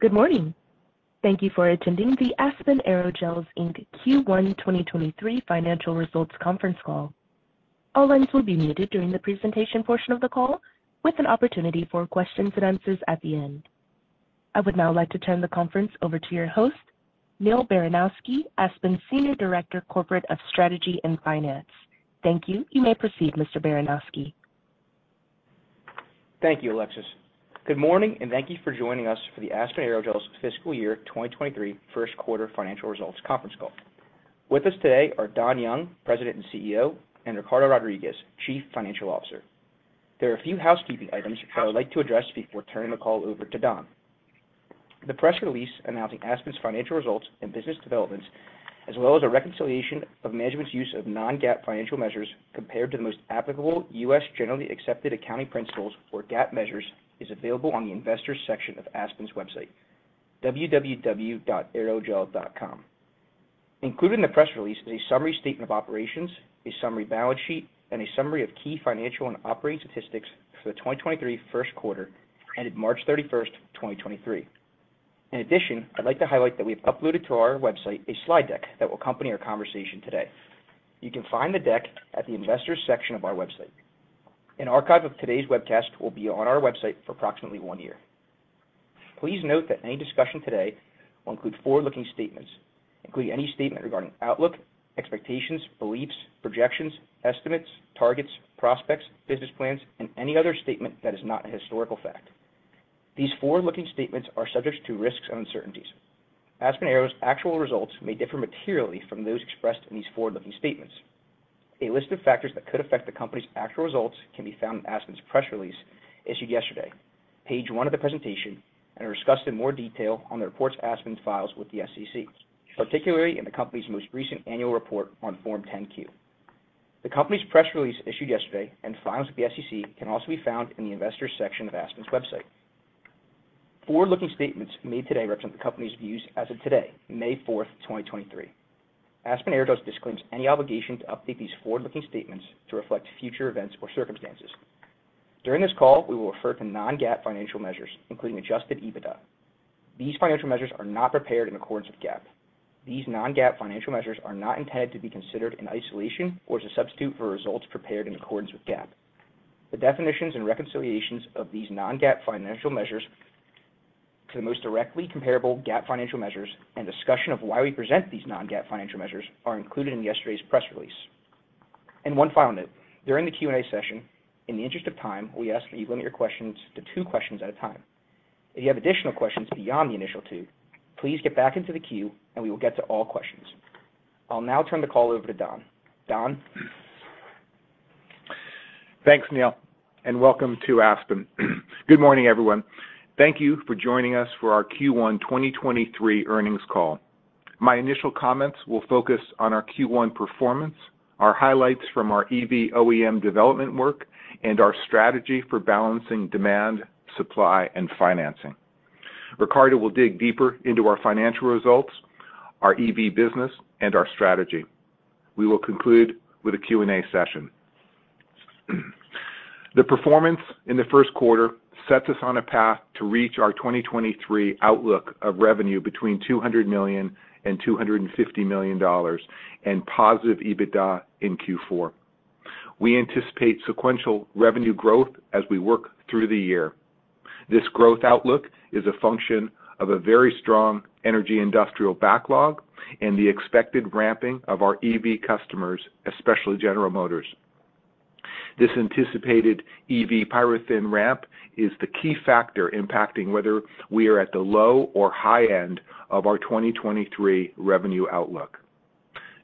Good morning. Thank you for attending the Aspen Aerogels Inc Q1 2023 financial results conference call. All lines will be muted during the presentation portion of the call with an opportunity for questions and answers at the end. I would now like to turn the conference over to your host, Neal Baranosky, Aspen Senior Director Corporate of Strategy and Finance. Thank you. You may proceed, Mr. Baranosky. Thank you, Alexis. Good morning, thank you for joining us for the Aspen Aerogels fiscal year 2023 first quarter financial results conference call. With us today are Don Young, President and CEO, and Ricardo Rodriguez, Chief Financial Officer. There are a few housekeeping items that I would like to address before turning the call over to Don. The press release announcing Aspen's financial results and business developments, as well as a reconciliation of management's use of non-GAAP financial measures compared to the most applicable U.S. generally accepted accounting principles or GAAP measures, is available on the investors section of Aspen's website, www.aerogel.com. Included in the press release is a summary statement of operations, a summary balance sheet, and a summary of key financial and operating statistics for the 2023 first quarter ended March 31, 2023. In addition, I'd like to highlight that we've uploaded to our website a slide deck that will accompany our conversation today. You can find the deck at the investors section of our website. An archive of today's webcast will be on our website for approximately one year. Please note that any discussion today will include forward-looking statements, including any statement regarding outlook, expectations, beliefs, projections, estimates, targets, prospects, business plans, and any other statement that is not a historical fact. These forward-looking statements are subject to risks and uncertainties. Aspen Aero's actual results may differ materially from those expressed in these forward-looking statements. A list of factors that could affect the company's actual results can be found in Aspen's press release issued yesterday, page one of the presentation, and are discussed in more detail on the reports Aspen files with the SEC, particularly in the company's most recent annual report on Form 10-Q. The company's press release issued yesterday and files with the SEC can also be found in the investors section of Aspen's website. Forward-looking statements made today represent the company's views as of today, May 4, 2023. Aspen Aerogels disclaims any obligation to update these forward-looking statements to reflect future events or circumstances. During this call, we will refer to non-GAAP financial measures, including adjusted EBITDA. These financial measures are not prepared in accordance with GAAP. These non-GAAP financial measures are not intended to be considered in isolation or as a substitute for results prepared in accordance with GAAP. The definitions and reconciliations of these non-GAAP financial measures to the most directly comparable GAAP financial measures and discussion of why we present these non-GAAP financial measures are included in yesterday's press release. One final note, during the Q&A session, in the interest of time, we ask that you limit your questions to two questions at a time. If you have additional questions beyond the initial two, please get back into the queue, and we will get to all questions. I'll now turn the call over to Don. Don? Thanks, Neal, welcome to Aspen. Good morning, everyone. Thank you for joining us for our Q1 2023 earnings call. My initial comments will focus on our Q1 performance, our highlights from our EV OEM development work, and our strategy for balancing demand, supply, and financing. Ricardo will dig deeper into our financial results, our EV business, and our strategy. We will conclude with a Q&A session. The performance in the first quarter sets us on a path to reach our 2023 outlook of revenue between $200 million and $250 million and positive EBITDA in Q4. We anticipate sequential revenue growth as we work through the year. This growth outlook is a function of a very strong energy industrial backlog and the expected ramping of our EV customers, especially General Motors. This anticipated EV PyroThin ramp is the key factor impacting whether we are at the low or high end of our 2023 revenue outlook.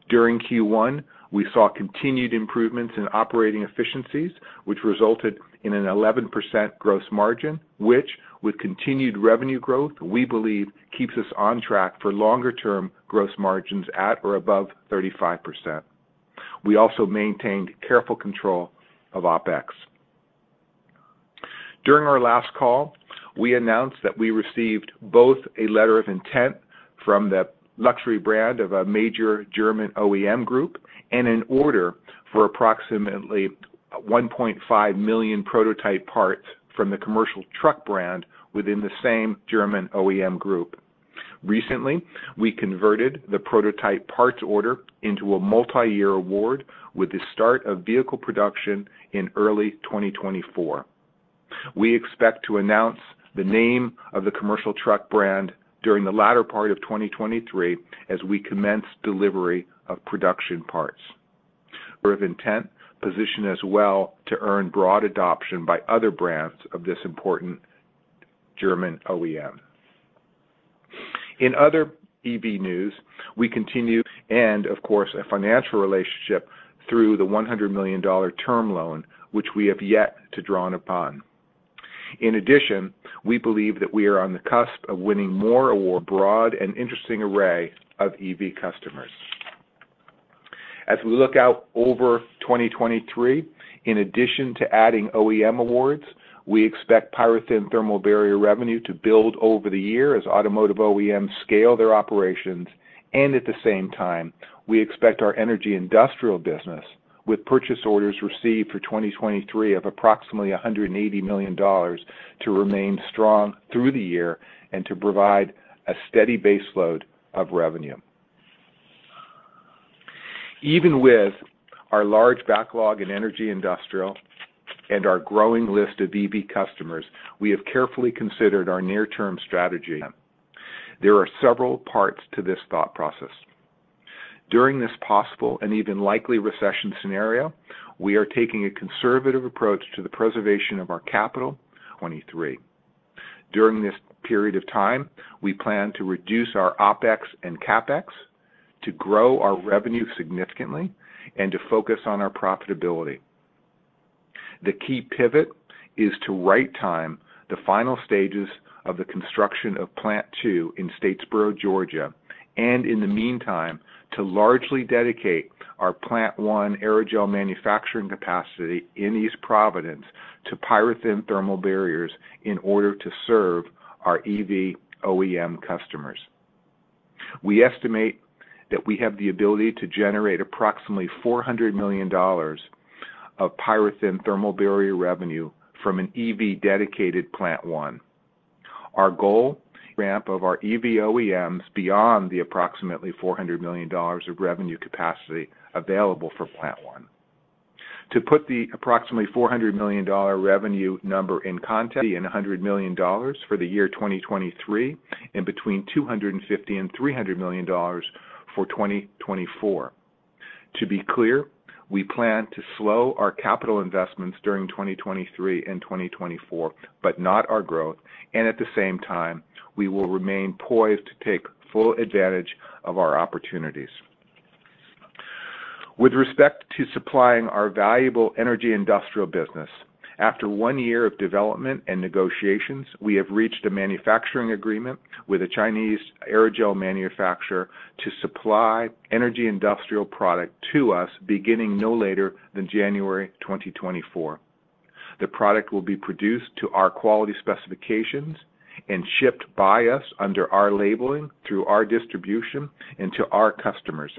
During Q1, we saw continued improvements in operating efficiencies, which resulted in an 11% gross margin, which with continued revenue growth, we believe keeps us on track for longer term gross margins at or above 35%. We also maintained careful control of OpEx. During our last call, we announced that we received both a letter of intent from the luxury brand of a major German OEM group and an order for approximately $1.5 million prototype parts from the commercial truck brand within the same German OEM group. Recently, we converted the prototype parts order into a multi-year award with the start of vehicle production in early 2024. We expect to announce the name of the commercial truck brand during the latter part of 2023 as we commence delivery of production parts. Letter of intent position as well to earn broad adoption by other brands of this important German OEM. In other EV news, we continue and of course a financial relationship through the $100 million term loan, which we have yet to draw upon. In addition, we believe that we are on the cusp of winning more award abroad and interesting array of EV customers. As we look out over 2023, in addition to adding OEM awards, we expect PyroThin thermal barrier revenue to build over the year as automotive OEMs scale their operations. At the same time, we expect our energy industrial business with purchase orders received for 2023 of approximately $180 million to remain strong through the year and to provide a steady baseload of revenue. Even with our large backlog in energy industrial and our growing list of EV customers, we have carefully considered our near-term strategy. There are several parts to this thought process. During this possible and even likely recession scenario, we are taking a conservative approach to the preservation of our capital 2023. During this period of time, we plan to reduce our OpEx and CapEx, to grow our revenue significantly, and to focus on our profitability. The key pivot is to right time the final stages of the construction of Plant II in Statesboro, Georgia, and in the meantime, to largely dedicate our Plant I aerogel manufacturing capacity in East Providence to PyroThin thermal barriers in order to serve our EV OEM customers. We estimate that we have the ability to generate approximately $400 million of PyroThin thermal barrier revenue from an EV dedicated Plant I. Our goal, ramp of our EV OEMs beyond the approximately $400 million of revenue capacity available for Plant I. To put the approximately $400 million revenue number in context, and $100 million for the year 2023 and between $250 million and $300 million for 2024. To be clear, we plan to slow our capital investments during 2023 and 2024, but not our growth. At the same time, we will remain poised to take full advantage of our opportunities. With respect to supplying our valuable energy industrial business, after one year of development and negotiations, we have reached a manufacturing agreement with a Chinese aerogel manufacturer to supply energy industrial product to us beginning no later than January 2024. The product will be produced to our quality specifications and shipped by us under our labeling through our distribution and to our customers.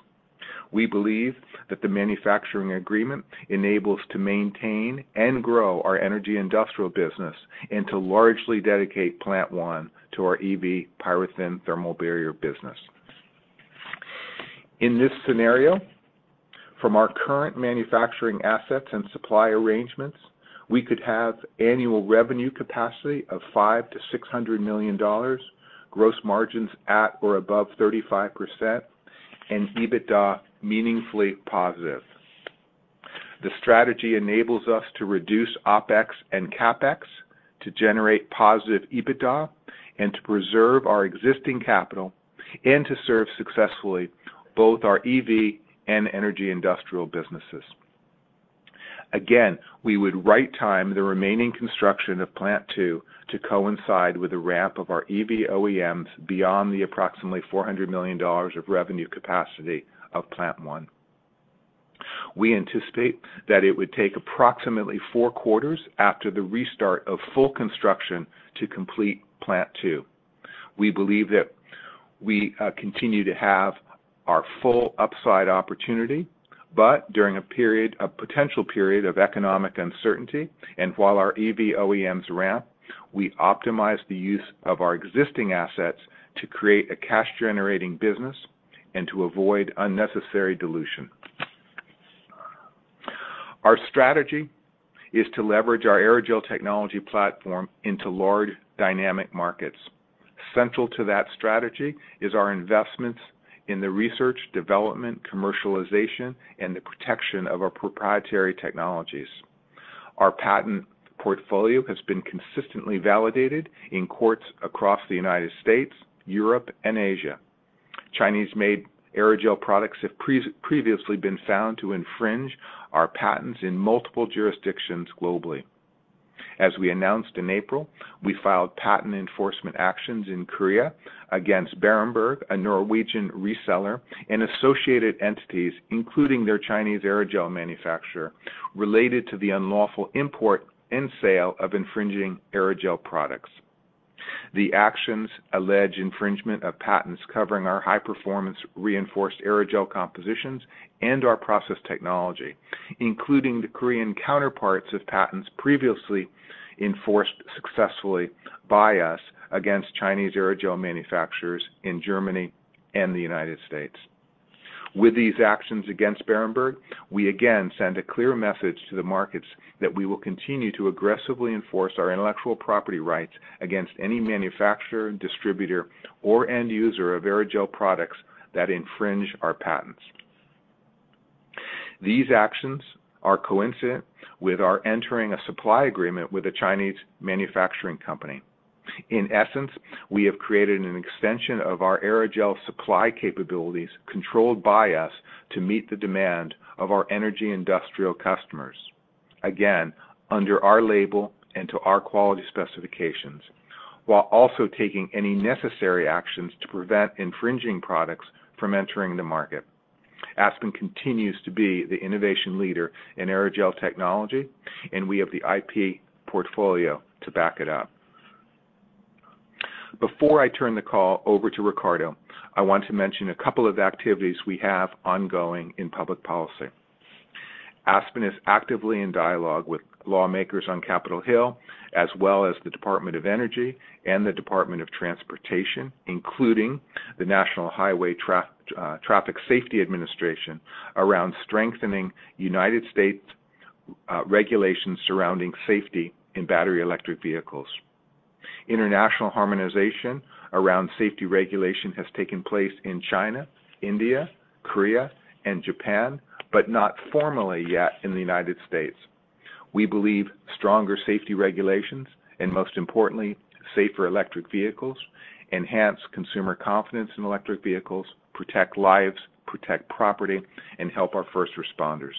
We believe that the manufacturing agreement enables to maintain and grow our energy industrial business and to largely dedicate Plant I to our EV PyroThin thermal barrier business. In this scenario, from our current manufacturing assets and supply arrangements, we could have annual revenue capacity of $500 million-$600 million, gross margins at or above 35%, and EBITDA meaningfully positive. The strategy enables us to reduce OpEx and CapEx, to generate positive EBITDA, and to preserve our existing capital, and to serve successfully both our EV and energy industrial businesses. We would right time the remaining construction of Plant II to coincide with the ramp of our EV OEMs beyond the approximately $400 million of revenue capacity of Plant I. We anticipate that it would take approximately four quarters after the restart of full construction to complete Plant II. We believe that we continue to have our full upside opportunity, but during a period of potential economic uncertainty, and while our EV OEMs ramp, we optimize the use of our existing assets to create a cash generating business and to avoid unnecessary dilution. Our strategy is to leverage our aerogel technology platform into large dynamic markets. Central to that strategy is our investments in the research, development, commercialization, and the protection of our proprietary technologies. Our patent portfolio has been consistently validated in courts across the United States, Europe, and Asia. Chinese-made aerogel products have previously been found to infringe our patents in multiple jurisdictions globally. As we announced in April, we filed patent enforcement actions in Korea against Beerenberg, a Norwegian reseller, and associated entities, including their Chinese aerogel manufacturer, related to the unlawful import and sale of infringing aerogel products. The actions allege infringement of patents covering our high-performance reinforced aerogel compositions and our process technology, including the Korean counterparts of patents previously enforced successfully by us against Chinese aerogel manufacturers in Germany and the United States. With these actions against Beerenberg, we again send a clear message to the markets that we will continue to aggressively enforce our intellectual property rights against any manufacturer, distributor, or end user of aerogel products that infringe our patents. These actions are coincident with our entering a supply agreement with a Chinese manufacturing company. In essence, we have created an extension of our aerogel supply capabilities controlled by us to meet the demand of our energy industrial customers, again, under our label and to our quality specifications, while also taking any necessary actions to prevent infringing products from entering the market. Aspen continues to be the innovation leader in aerogel technology, and we have the IP portfolio to back it up. Before I turn the call over to Ricardo, I want to mention a couple of activities we have ongoing in public policy. Aspen is actively in dialogue with lawmakers on Capitol Hill, as well as the Department of Energy and the Department of Transportation, including the National Highway Traffic Safety Administration, around strengthening United States regulations surrounding safety in battery electric vehicles. International harmonization around safety regulation has taken place in China, India, Korea, and Japan, but not formally yet in the United States. We believe stronger safety regulations, and most importantly, safer electric vehicles enhance consumer confidence in electric vehicles, protect lives, protect property, and help our first responders.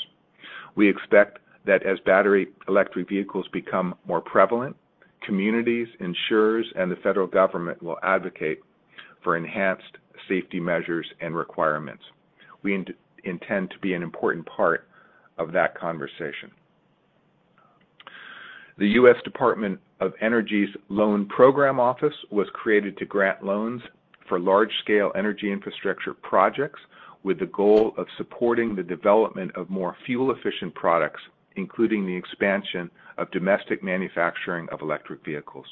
We expect that as battery electric vehicles become more prevalent, communities, insurers, and the federal government will advocate for enhanced safety measures and requirements. We intend to be an important part of that conversation. The U.S. Department of Energy's Loan Programs Office was created to grant loans for large-scale energy infrastructure projects with the goal of supporting the development of more fuel-efficient products, including the expansion of domestic manufacturing of electric vehicles.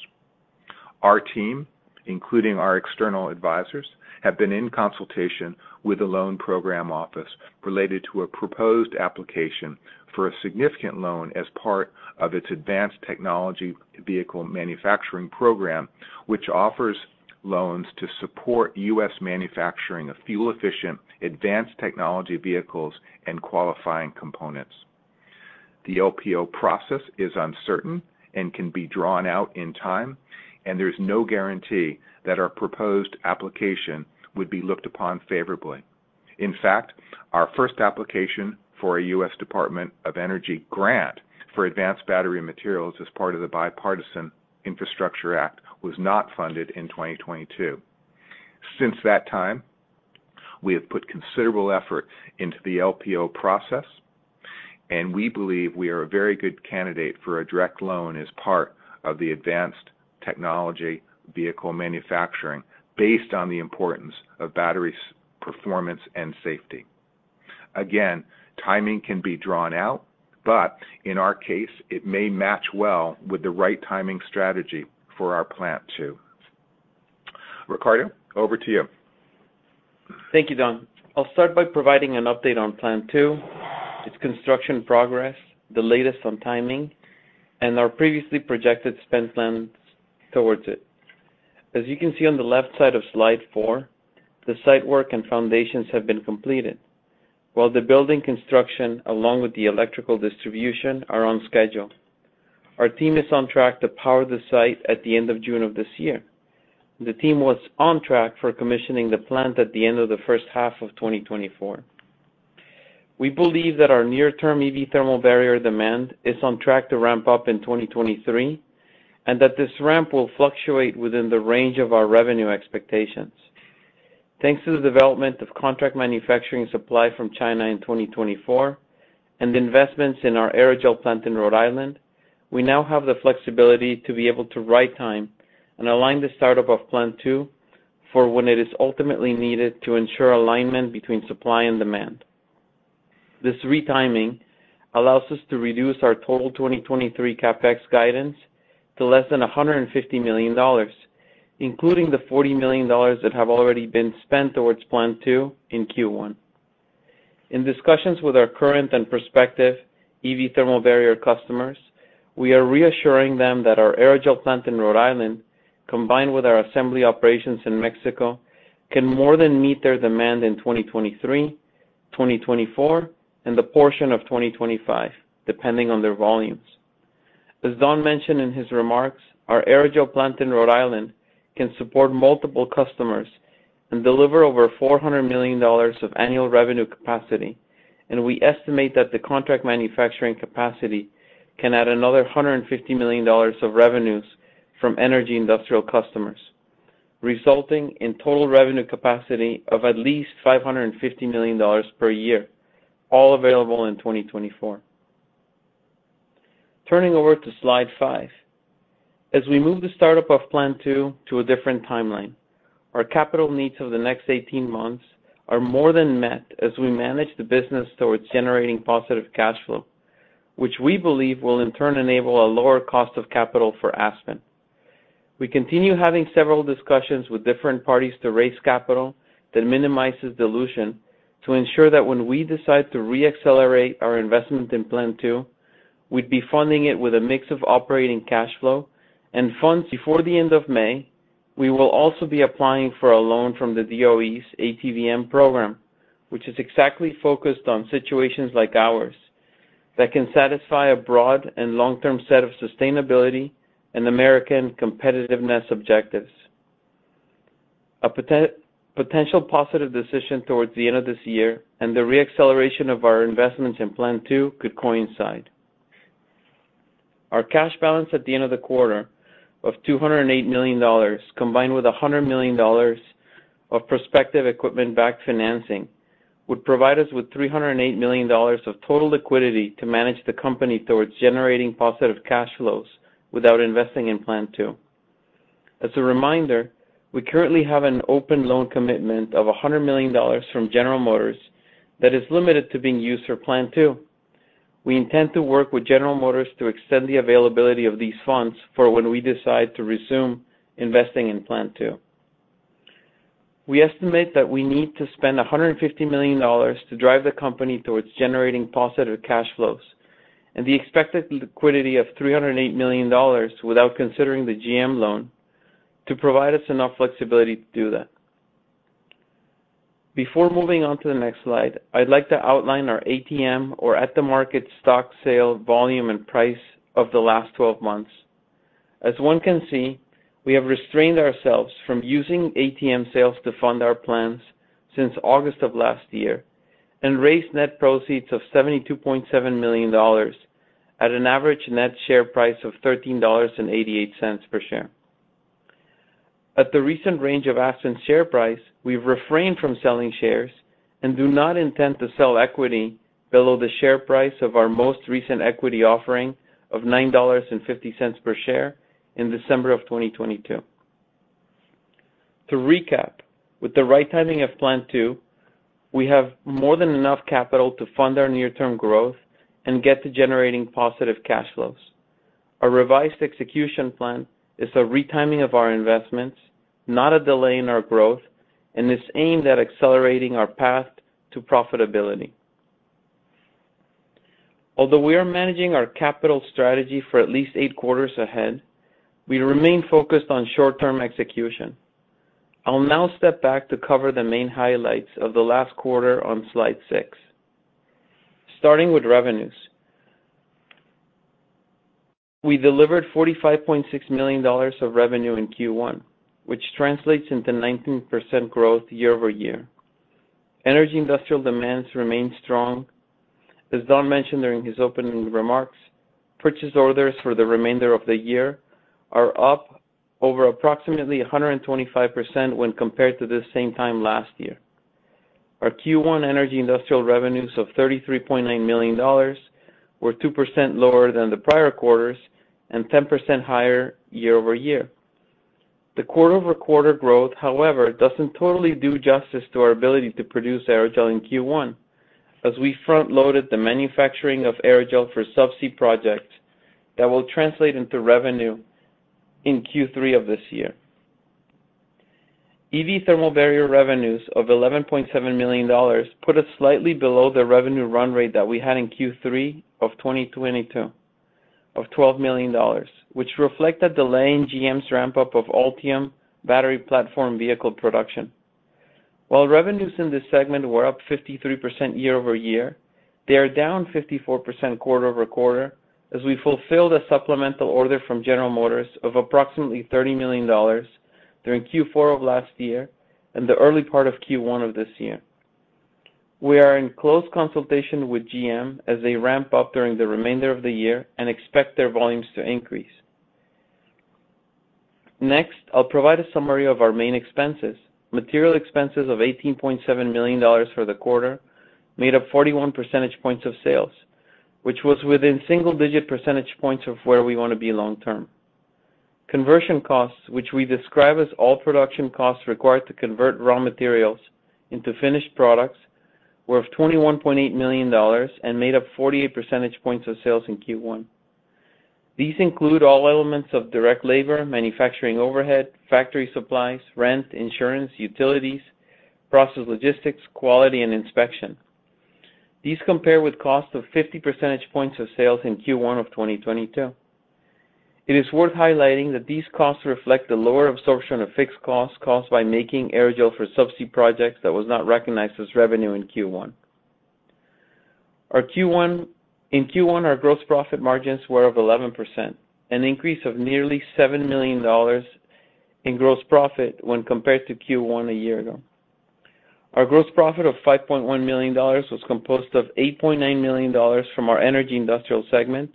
Our team, including our external advisors, have been in consultation with the Loan Programs Office related to a proposed application for a significant loan as part of its Advanced Technology Vehicles Manufacturing Loan Program, which offers loans to support U.S. manufacturing of fuel-efficient advanced technology vehicles and qualifying components. The LPO process is uncertain and can be drawn out in time. There's no guarantee that our proposed application would be looked upon favorably. In fact, our first application for a U.S. Department of Energy grant for advanced battery materials as part of the Bipartisan Infrastructure Law was not funded in 2022. Since that time, we have put considerable effort into the LPO process, and we believe we are a very good candidate for a direct loan as part of the advanced technology vehicle manufacturing based on the importance of battery's performance and safety. Timing can be drawn out, but in our case, it may match well with the right timing strategy for our Plant II. Ricardo, over to you. Thank you, Don. I'll start by providing an update on Plant II, its construction progress, the latest on timing, and our previously projected spend plans towards it. As you can see on the left side of slide four, the site work and foundations have been completed. The building construction, along with the electrical distribution are on schedule. Our team is on track to power the site at the end of June of this year. The team was on track for commissioning the plant at the end of the first half of 2024. We believe that our near-term EV thermal barrier demand is on track to ramp up in 2023, and that this ramp will fluctuate within the range of our revenue expectations. Thanks to the development of contract manufacturing supply from China in 2024 and investments in our aerogel plant in Rhode Island, we now have the flexibility to be able to right time and align the startup of Plant II for when it is ultimately needed to ensure alignment between supply and demand. This retiming allows us to reduce our total 2023 CapEx guidance to less than $150 million, including the $40 million that have already been spent towards Plant II in Q1. In discussions with our current and prospective EV thermal barrier customers, we are reassuring them that our aerogel plant in Rhode Island, combined with our assembly operations in Mexico, can more than meet their demand in 2023, 2024, and the portion of 2025, depending on their volumes. As Don mentioned in his remarks, our aerogel plant in Rhode Island can support multiple customers and deliver over $400 million of annual revenue capacity. We estimate that the contract manufacturing capacity can add another $150 million of revenues from energy industrial customers, resulting in total revenue capacity of at least $550 million per year, all available in 2024. Turning over to slide five. As we move the startup of Plant II to a different timeline, our capital needs of the next 18 months are more than met as we manage the business towards generating positive cash flow, which we believe will in turn enable a lower cost of capital for Aspen. We continue having several discussions with different parties to raise capital that minimizes dilution to ensure that when we decide to re-accelerate our investment in Plant II, we'd be funding it with a mix of operating cash flow and funds. Before the end of May, we will also be applying for a loan from the DOE's ATVM program, which is exactly focused on situations like ours that can satisfy a broad and long-term set of sustainability and American competitiveness objectives. A potential positive decision towards the end of this year and the re-acceleration of our investments in Plant II could coincide. Our cash balance at the end of the quarter of $208 million, combined with $100 million of prospective equipment-backed financing would provide us with $308 million of total liquidity to manage the company towards generating positive cash flows without investing in Plant II. As a reminder, we currently have an open loan commitment of $100 million from General Motors that is limited to being used for Plant II. We intend to work with General Motors to extend the availability of these funds for when we decide to resume investing in Plant II. We estimate that we need to spend $150 million to drive the company towards generating positive cash flows and the expected liquidity of $308 million without considering the GM loan to provide us enough flexibility to do that. Before moving on to the next slide, I'd like to outline our ATM or At-The-Market stock sale volume and price of the last 12 months. As one can see, we have restrained ourselves from using ATM sales to fund our plans since August of last year and raised net proceeds of $72.7 million at an average net share price of $13.88 per share. At the recent range of Aspen's share price, we've refrained from selling shares and do not intend to sell equity below the share price of our most recent equity offering of $9.50 per share in December of 2022. To recap, with the right timing of Plant II, we have more than enough capital to fund our near-term growth and get to generating positive cash flows. A revised execution plan is a retiming of our investments, not a delay in our growth, and is aimed at accelerating our path to profitability. Although we are managing our capital strategy for at least eight quarters ahead, we remain focused on short-term execution. I'll now step back to cover the main highlights of the last quarter on slide six. Starting with revenues. We delivered $45.6 million of revenue in Q1, which translates into 19% growth year-over-year. Energy industrial demands remain strong. As Don mentioned during his opening remarks, purchase orders for the remainder of the year are up over approximately 125% when compared to this same time last year. Our Q1 energy industrial revenues of $33.9 million were 2% lower than the prior quarters and 10% higher year-over-year. The quarter-over-quarter growth, however, doesn't totally do justice to our ability to produce aerogel in Q1 as we front-loaded the manufacturing of aerogel for subsea projects that will translate into revenue in Q3 of this year. EV thermal barrier revenues of $11.7 million put us slightly below the revenue run rate that we had in Q3 of 2022 of $12 million, which reflect a delay in GM's ramp-up of Ultium battery platform vehicle production. While revenues in this segment were up 53% year-over-year, they are down 54% quarter-over-quarter as we fulfilled a supplemental order from General Motors of approximately $30 million during Q4 of last year and the early part of Q1 of this year. We are in close consultation with GM as they ramp up during the remainder of the year and expect their volumes to increase. I'll provide a summary of our main expenses. Material expenses of $18.7 million for the quarter made up 41 percentage points of sales, which was within single-digit percentage points of where we wanna be long term. Conversion costs, which we describe as all production costs required to convert raw materials into finished products, were of $21.8 million and made up 48 percentage points of sales in Q1. These include all elements of direct labor, manufacturing overhead, factory supplies, rent, insurance, utilities, process logistics, quality, and inspection. These compare with costs of 50 percentage points of sales in Q1 of 2022. It is worth highlighting that these costs reflect the lower absorption of fixed costs caused by making aerogel for subsea projects that was not recognized as revenue in Q1. In Q1, our gross profit margins were of 11%, an increase of nearly $7 million in gross profit when compared to Q1 a year ago. Our gross profit of $5.1 million was composed of $8.9 million from our energy industrial segment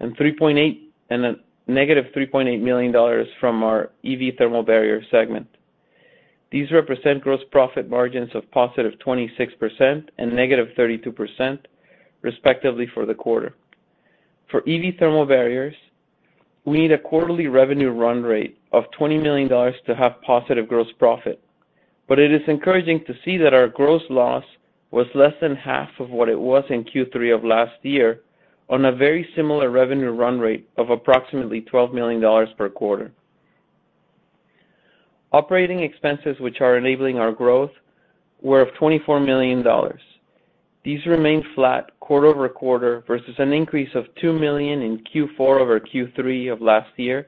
and a -$3.8 million from our EV thermal barrier segment. These represent gross profit margins of +26% and -32%, respectively, for the quarter. For EV thermal barriers, we need a quarterly revenue run rate of $20 million to have positive gross profit. It is encouraging to see that our gross loss was less than half of what it was in Q3 of last year on a very similar revenue run rate of approximately $12 million per quarter. Operating expenses, which are enabling our growth, were of $24 million. These remained flat quarter-over-quarter versus an increase of $2 million in Q4 over Q3 of last year,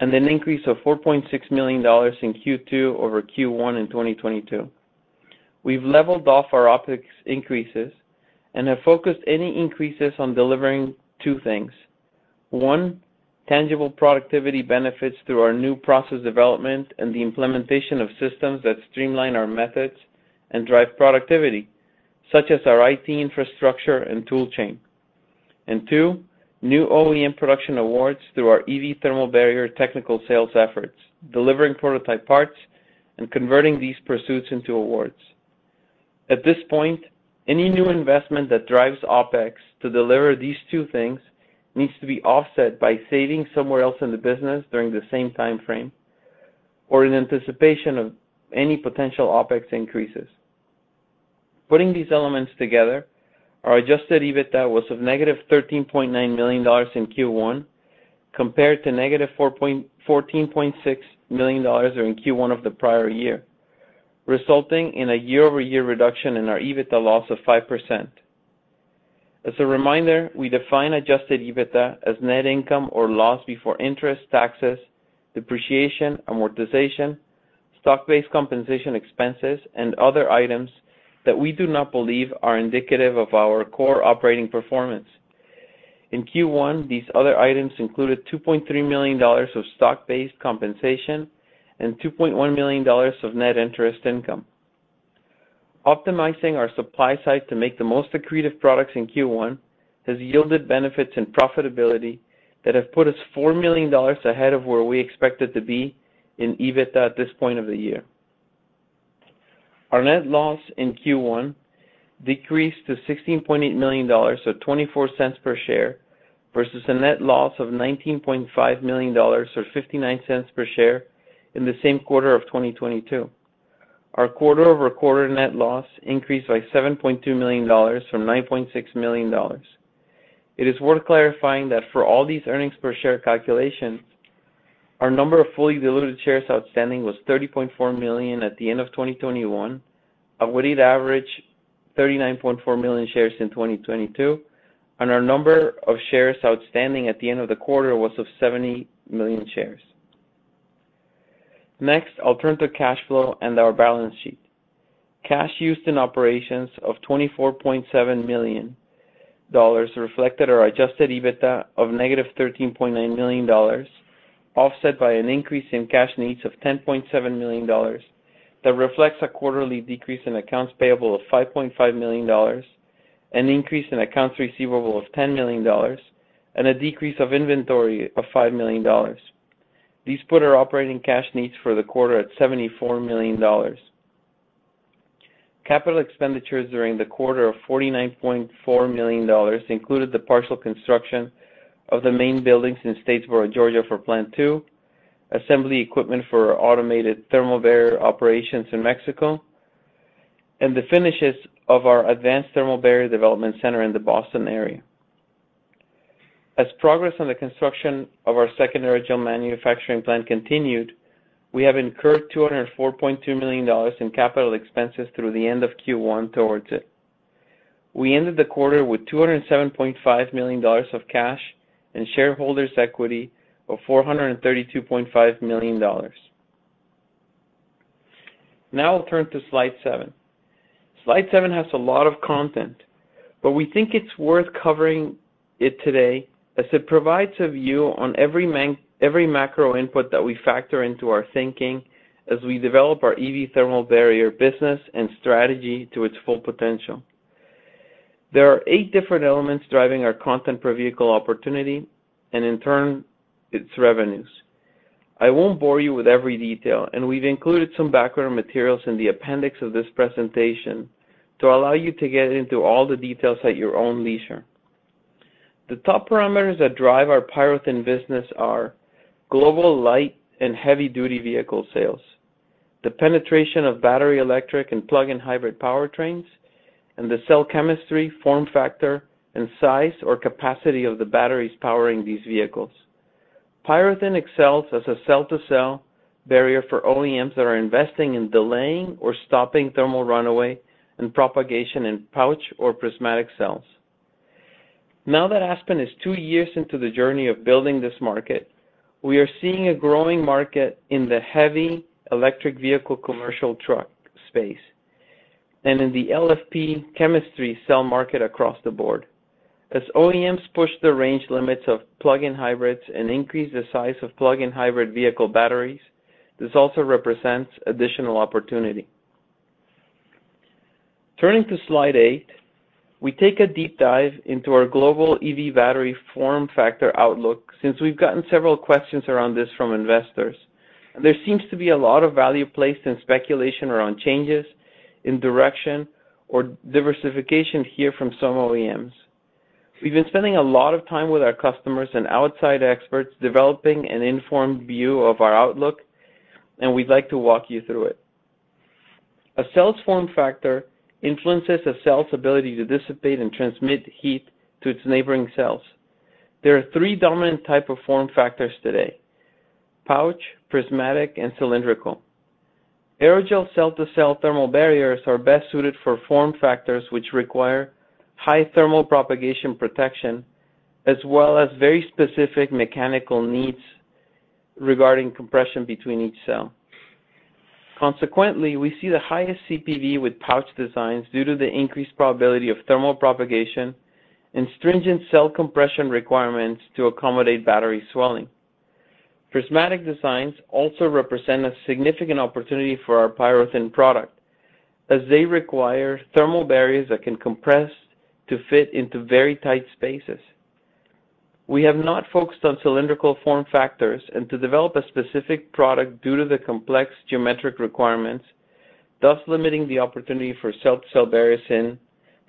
and an increase of $4.6 million in Q2 over Q1 in 2022. We've leveled off our OpEx increases and have focused any increases on delivering two things. One, tangible productivity benefits through our new process development and the implementation of systems that streamline our methods and drive productivity, such as our IT infrastructure and tool chain. Two, new OEM production awards through our EV thermal barrier technical sales efforts, delivering prototype parts and converting these pursuits into awards. At this point, any new investment that drives OpEx to deliver these two things needs to be offset by saving somewhere else in the business during the same time frame or in anticipation of any potential OpEx increases. Putting these elements together, our adjusted EBITDA was of -$13.9 million in Q1 compared to -$14.6 million in Q1 of the prior year, resulting in a year-over-year reduction in our EBITDA loss of 5%. As a reminder, we define adjusted EBITDA as net income or loss before interest, taxes, depreciation, amortization, stock-based compensation expenses, and other items that we do not believe are indicative of our core operating performance. In Q1, these other items included $2.3 million of stock-based compensation and $2.1 million of net interest income. Optimizing our supply site to make the most accretive products in Q1 has yielded benefits and profitability that have put us $4 million ahead of where we expected to be in EBITDA at this point of the year. Our net loss in Q1 decreased to $16.8 million, or $0.24 per share, versus a net loss of $19.5 million, or $0.59 per share, in the same quarter of 2022. Our quarter-over-quarter net loss increased by $7.2 million from $9.6 million. It is worth clarifying that for all these earnings per share calculations, our number of fully diluted shares outstanding was 30.4 million at the end of 2021, a weighted average 39.4 million shares in 2022, and our number of shares outstanding at the end of the quarter was of 70 million shares. Next, I'll turn to cash flow and our balance sheet. Cash used in operations of $24.7 million reflected our adjusted EBITDA of -$13.9 million, offset by an increase in cash needs of $10.7 million that reflects a quarterly decrease in accounts payable of $5.5 million, an increase in accounts receivable of $10 million, and a decrease of inventory of $5 million. These put our operating cash needs for the quarter at $74 million. Capital expenditures during the quarter of $49.4 million included the partial construction of the main buildings in Statesboro, Georgia, for Plant two, assembly equipment for our automated thermal barrier operations in Mexico, and the finishes of our advanced thermal barrier development center in the Boston area. Progress on the construction of our second aerogel manufacturing plant continued, we have incurred $204.2 million in capital expenses through the end of Q1 towards it. We ended the quarter with $207.5 million of cash and shareholders' equity of $432.5 million. I'll turn to slide seven. Slide seven has a lot of content, but we think it's worth covering it today as it provides a view on every macro input that we factor into our thinking as we develop our EV thermal barrier business and strategy to its full potential. There are eight different elements driving our content per vehicle opportunity and in turn its revenues. I won't bore you with every detail, and we've included some background materials in the appendix of this presentation to allow you to get into all the details at your own leisure. The top parameters that drive our PyroThin business are global light and heavy-duty vehicle sales, the penetration of battery, electric, and plug-in hybrid powertrains, and the cell chemistry, form factor, and size or capacity of the batteries powering these vehicles. PyroThin excels as a cell-to-cell barrier for OEMs that are investing in delaying or stopping thermal runaway and propagation in pouch or prismatic cells. Now that Aspen is two years into the journey of building this market, we are seeing a growing market in the heavy electric vehicle commercial truck space and in the LFP chemistry cell market across the board. As OEMs push the range limits of plug-in hybrids and increase the size of plug-in hybrid vehicle batteries, this also represents additional opportunity. Turning to slide eight, we take a deep dive into our global EV battery form factor outlook since we've gotten several questions around this from investors. There seems to be a lot of value placed in speculation around changes in direction or diversification here from some OEMs. We've been spending a lot of time with our customers and outside experts developing an informed view of our outlook, and we'd like to walk you through it. A cell's form factor influences a cell's ability to dissipate and transmit heat to its neighboring cells. There are three dominant type of form factors today: pouch, prismatic, and cylindrical. Aerogel cell-to-cell thermal barriers are best suited for form factors which require high thermal propagation protection, as well as very specific mechanical needs regarding compression between each cell. Consequently, we see the highest CPV with pouch designs due to the increased probability of thermal propagation and stringent cell compression requirements to accommodate battery swelling. Prismatic designs also represent a significant opportunity for our PyroThin product as they require thermal barriers that can compress to fit into very tight spaces. We have not focused on cylindrical form factors and to develop a specific product due to the complex geometric requirements, thus limiting the opportunity for cell-to-cell barriers in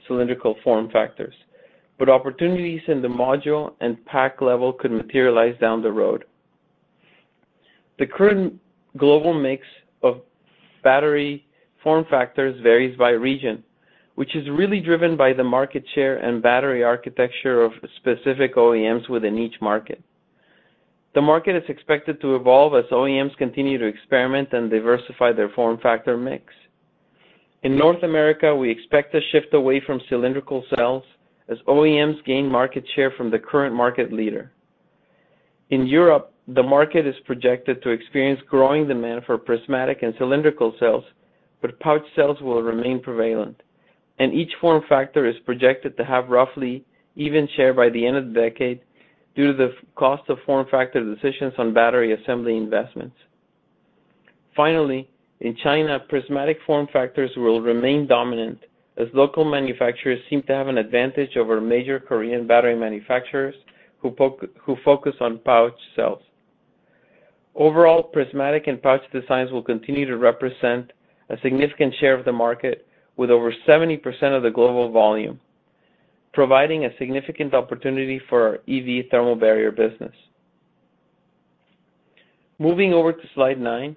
cylindrical form factors. Opportunities in the module and pack level could materialize down the road. The current global mix of battery form factors varies by region, which is really driven by the market share and battery architecture of specific OEMs within each market. The market is expected to evolve as OEMs continue to experiment and diversify their form factor mix. In North America, we expect a shift away from cylindrical cells as OEMs gain market share from the current market leader. In Europe, the market is projected to experience growing demand for prismatic and cylindrical cells, but pouch cells will remain prevalent, and each form factor is projected to have roughly even share by the end of the decade due to the cost of form factor decisions on battery assembly investments. Finally, in China, prismatic form factors will remain dominant as local manufacturers seem to have an advantage over major Korean battery manufacturers who focus on pouch cells. Overall, prismatic and pouch designs will continue to represent a significant share of the market with over 70% of the global volume, providing a significant opportunity for our EV thermal barrier business. Moving over to slide nine,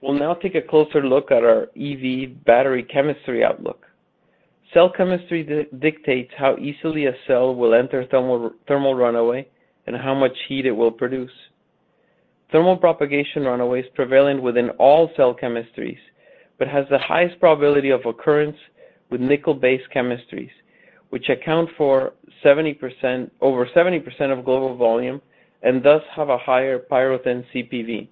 we'll now take a closer look at our EV battery chemistry outlook. Cell chemistry dictates how easily a cell will enter thermal runaway and how much heat it will produce. Thermal propagation runaway is prevalent within all cell chemistries but has the highest probability of occurrence with nickel-based chemistries, which account for over 70% of global volume and thus have a higher PyroThin CPV.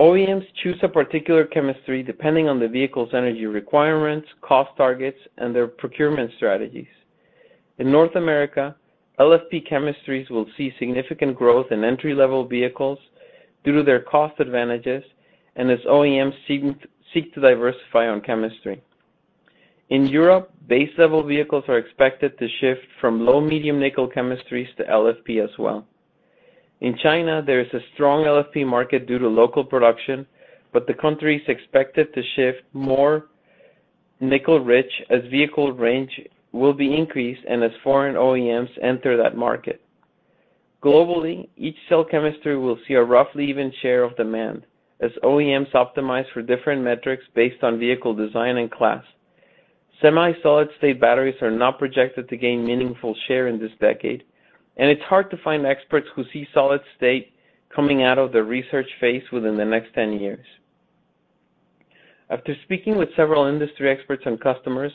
OEMs choose a particular chemistry depending on the vehicle's energy requirements, cost targets, and their procurement strategies. In North America, LFP chemistries will see significant growth in entry-level vehicles due to their cost advantages and as OEMs seek to diversify on chemistry. In Europe, base-level vehicles are expected to shift from low/medium nickel chemistries to LFP as well. In China, there is a strong LFP market due to local production, but the country is expected to shift more nickel rich as vehicle range will be increased and as foreign OEMs enter that market. Globally, each cell chemistry will see a roughly even share of demand as OEMs optimize for different metrics based on vehicle design and class. Semi-solid-state batteries are not projected to gain meaningful share in this decade, and it's hard to find experts who see solid-state coming out of the research phase within the next 10 years. After speaking with several industry experts and customers,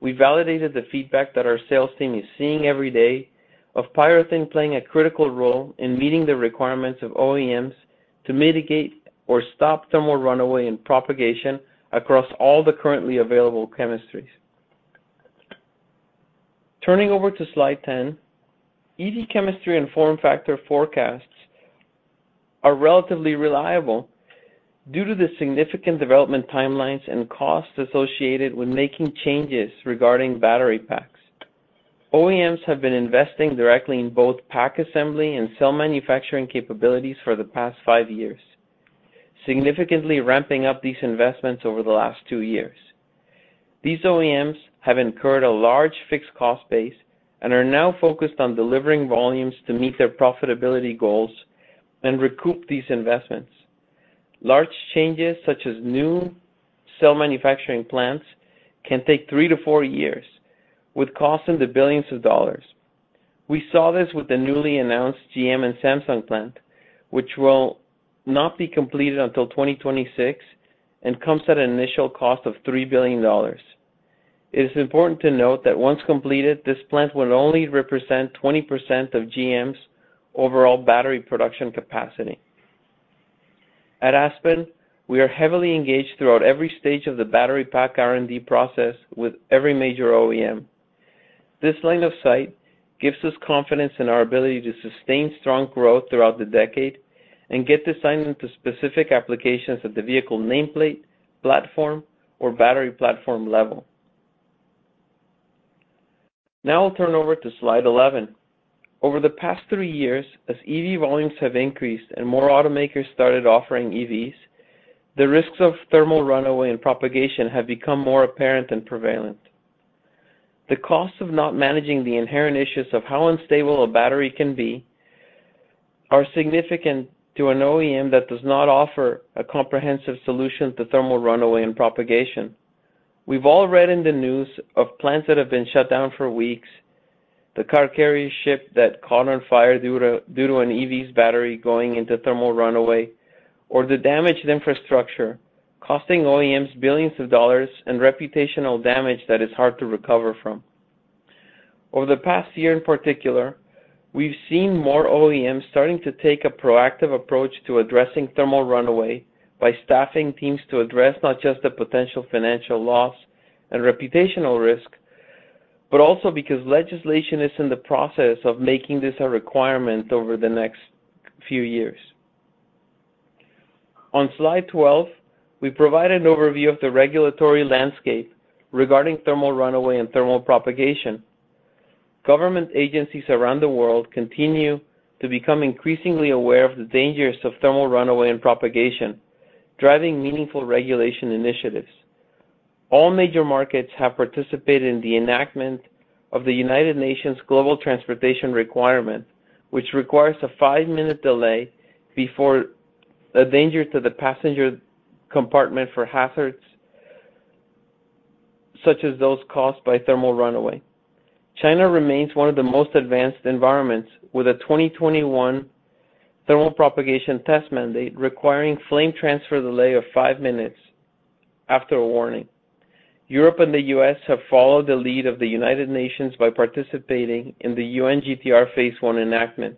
we validated the feedback that our sales team is seeing every day of PyroThin playing a critical role in meeting the requirements of OEMs to mitigate or stop thermal runaway and propagation across all the currently available chemistries. Turning over to slide 10, EV chemistry and form factor forecasts are relatively reliable due to the significant development timelines and costs associated with making changes regarding battery packs. OEMs have been investing directly in both pack assembly and cell manufacturing capabilities for the past five years, significantly ramping up these investments over the last two years. These OEMs have incurred a large fixed-cost base and are now focused on delivering volumes to meet their profitability goals and recoup these investments. Large changes, such as new cell manufacturing plants, can take three to four years, with costs in the billions of dollars. We saw this with the newly announced GM and Samsung plant, which will not be completed until 2026 and comes at an initial cost of $3 billion. It is important to note that once completed, this plant will only represent 20% of GM's overall battery production capacity. At Aspen, we are heavily engaged throughout every stage of the battery pack R&D process with every major OEM. This line of sight gives us confidence in our ability to sustain strong growth throughout the decade and get this signed into specific applications at the vehicle nameplate, platform, or battery platform level. I'll turn over to slide 11. Over the past three years, as EV volumes have increased and more automakers started offering EVs, the risks of thermal runaway and propagation have become more apparent and prevalent. The cost of not managing the inherent issues of how unstable a battery can be are significant to an OEM that does not offer a comprehensive solution to thermal runaway and propagation. We've all read in the news of plants that have been shut down for weeks, the car carrier ship that caught on fire due to an EV's battery going into thermal runaway, or the damaged infrastructure costing OEMs billions and reputational damage that is hard to recover from. Over the past year in particular, we've seen more OEMs starting to take a proactive approach to addressing thermal runaway by staffing teams to address not just the potential financial loss and reputational risk, but also because legislation is in the process of making this a requirement over the next few years. On slide 12, we provide an overview of the regulatory landscape regarding thermal runaway and thermal propagation. Government agencies around the world continue to become increasingly aware of the dangers of thermal runaway and propagation, driving meaningful regulation initiatives. All major markets have participated in the enactment of the United Nations Global Technical Regulation, which requires a five-minute delay before a danger to the passenger compartment for hazards such as those caused by thermal runaway. China remains one of the most advanced environments, with a 2021 thermal propagation test mandate requiring flame transfer delay of five minutes after a warning. Europe and the U.S. have followed the lead of the United Nations by participating in the UN GTR phase one enactment.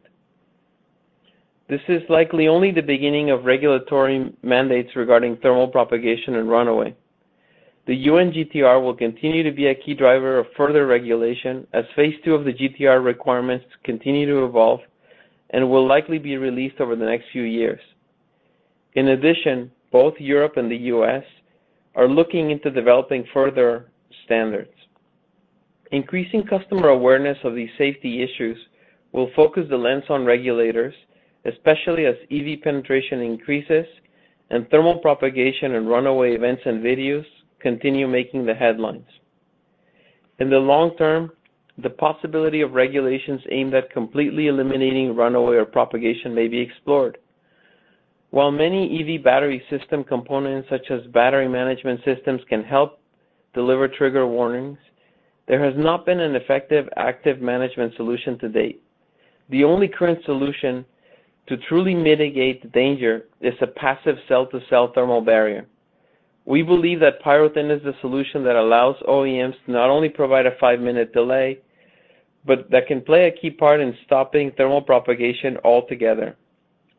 This is likely only the beginning of regulatory mandates regarding thermal propagation and runaway. The UN GTR will continue to be a key driver of further regulation as phase two of the GTR requirements continue to evolve and will likely be released over the next few years. In addition, both Europe and the U.S. are looking into developing further standards. Increasing customer awareness of these safety issues will focus the lens on regulators, especially as EV penetration increases and thermal propagation and runaway events and videos continue making the headlines. In the long term, the possibility of regulations aimed at completely eliminating runaway or propagation may be explored. While many EV battery system components, such as battery management systems, can help deliver trigger warnings, there has not been an effective active management solution to date. The only current solution to truly mitigate the danger is a passive cell-to-cell thermal barrier. We believe that PyroThin is the solution that allows OEMs to not only provide a five-minute delay, but that can play a key part in stopping thermal propagation altogether,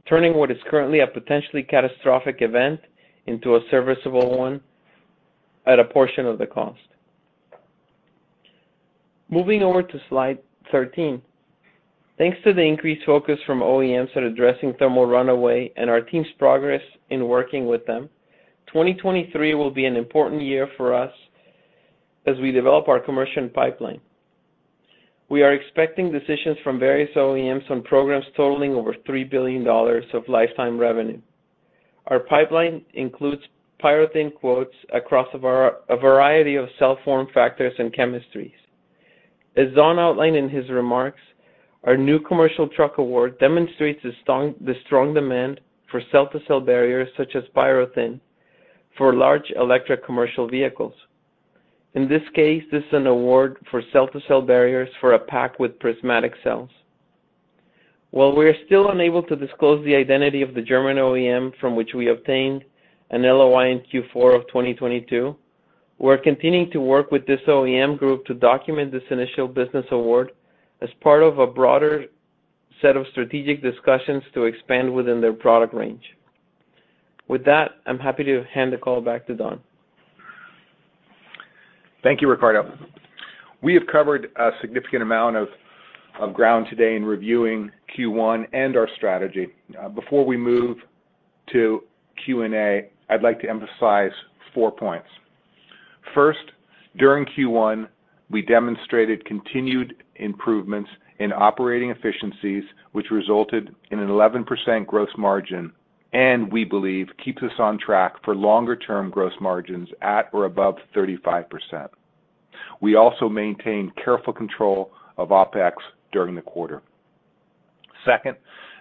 turning what is currently a potentially catastrophic event into a serviceable one at a portion of the cost. Moving over to slide 13. Thanks to the increased focus from OEMs at addressing thermal runaway and our team's progress in working with them, 2023 will be an important year for us as we develop our commercial pipeline. We are expecting decisions from various OEMs on programs totaling over $3 billion of lifetime revenue. Our pipeline includes PyroThin quotes across a variety of cell form factors and chemistries. As Don outlined in his remarks, our new commercial truck award demonstrates the strong demand for cell-to-cell barriers, such as PyroThin, for large electric commercial vehicles. In this case, this is an award for cell-to-cell barriers for a pack with prismatic cells. While we are still unable to disclose the identity of the German OEM from which we obtained an LOI in Q four of 2022, we're continuing to work with this OEM group to document this initial business award as part of a broader set of strategic discussions to expand within their product range. With that, I'm happy to hand the call back to Don. Thank you, Ricardo. We have covered a significant amount of ground today in reviewing Q1 and our strategy. Before we move to Q&A, I'd like to emphasize four points. First, during Q1, we demonstrated continued improvements in operating efficiencies, which resulted in an 11% gross margin, and we believe keeps us on track for longer term gross margins at or above 35%. We also maintained careful control of OpEx during the quarter. Second,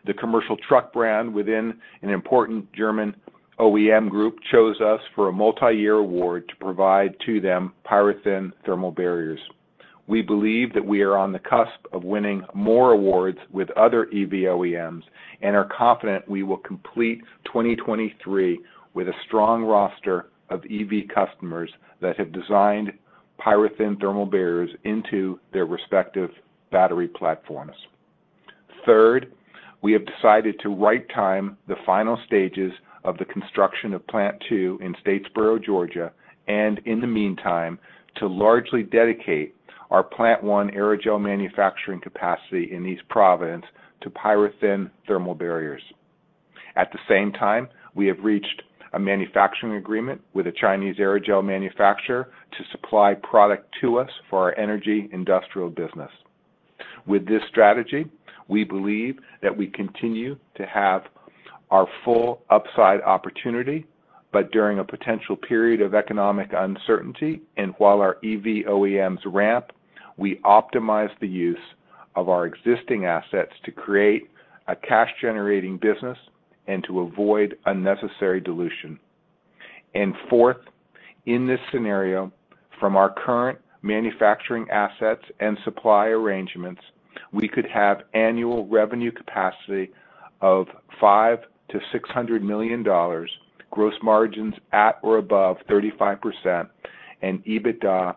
the commercial truck brand within an important German OEM group chose us for a multi-year award to provide to them PyroThin thermal barriers. We believe that we are on the cusp of winning more awards with other EV OEMs and are confident we will complete 2023 with a strong roster of EV customers that have designed PyroThin thermal barriers into their respective battery platforms. Third, we have decided to right time the final stages of the construction of Plant two in Statesboro, Georgia, and in the meantime, to largely dedicate our Plant one aerogel manufacturing capacity in East Providence to PyroThin thermal barriers. At the same time, we have reached a manufacturing agreement with a Chinese aerogel manufacturer to supply product to us for our energy industrial business. With this strategy, we believe that we continue to have our full upside opportunity, but during a potential period of economic uncertainty, and while our EV OEMs ramp, we optimize the use of our existing assets to create a cash-generating business and to avoid unnecessary dilution. Fourth, in this scenario, from our current manufacturing assets and supply arrangements, we could have annual revenue capacity of $500 million-$600 million, gross margins at or above 35%, and EBITDA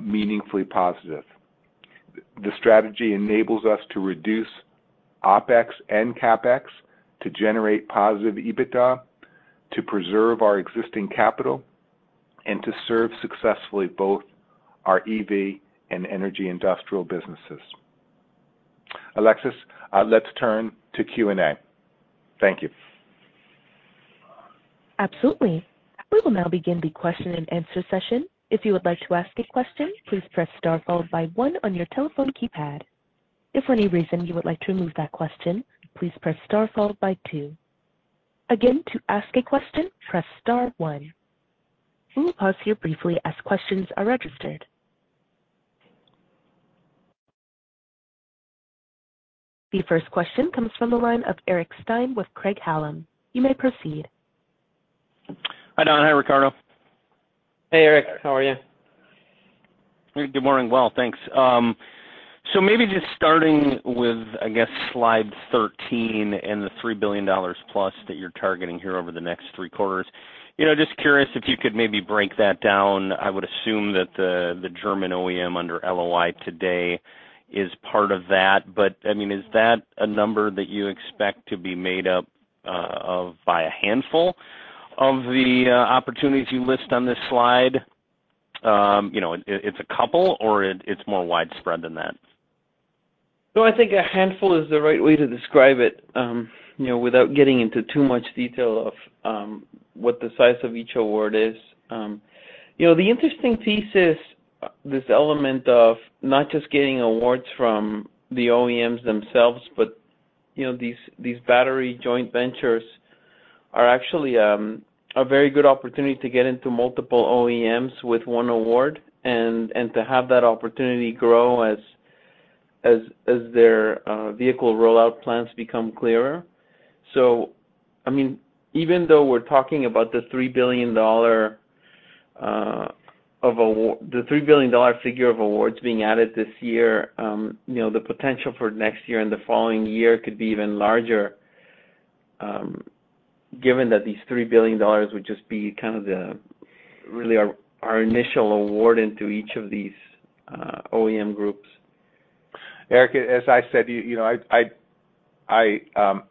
meaningfully positive. The strategy enables us to reduce OpEx and CapEx to generate positive EBITDA, to preserve our existing capital, and to serve successfully both our EV and energy industrial businesses. Alexis, let's turn to Q&A. Thank you. Absolutely. We will now begin the question-and-answer session. If you would like to ask a question, please press star followed by one on your telephone keypad. If for any reason you would like to remove that question, please press star followed by two. Again, to ask a question, press star one. We will pause here briefly as questions are registered. The first question comes from the line of Eric Stine with Craig-Hallum. You may proceed. Hi, Don. Hi, Ricardo. Hey, Eric. How are you? Good morning. Thanks. Maybe just starting with, I guess, slide 13 and the $3 billion+ that you're targeting here over the next three quarters, you know, just curious if you could maybe break that down. I would assume that the German OEM under LOI today is part of that. I mean, is that a number that you expect to be made up of by a handful of the opportunities you list on this slide? You know, it's a couple, or it's more widespread than that? No, I think a handful is the right way to describe it, you know, without getting into too much detail of, what the size of each award is. You know, the interesting piece is this element of not just getting awards from the OEMs themselves, but, you know, these battery joint ventures are actually, a very good opportunity to get into multiple OEMs with one award and to have that opportunity grow as their vehicle rollout plans become clearer. I mean, even though we're talking about the $3 billion figure of awards being added this year, you know, the potential for next year and the following year could be even larger, given that these $3 billion would just be kind of our initial award into each of these OEM groups. Eric, as I said, you know, I,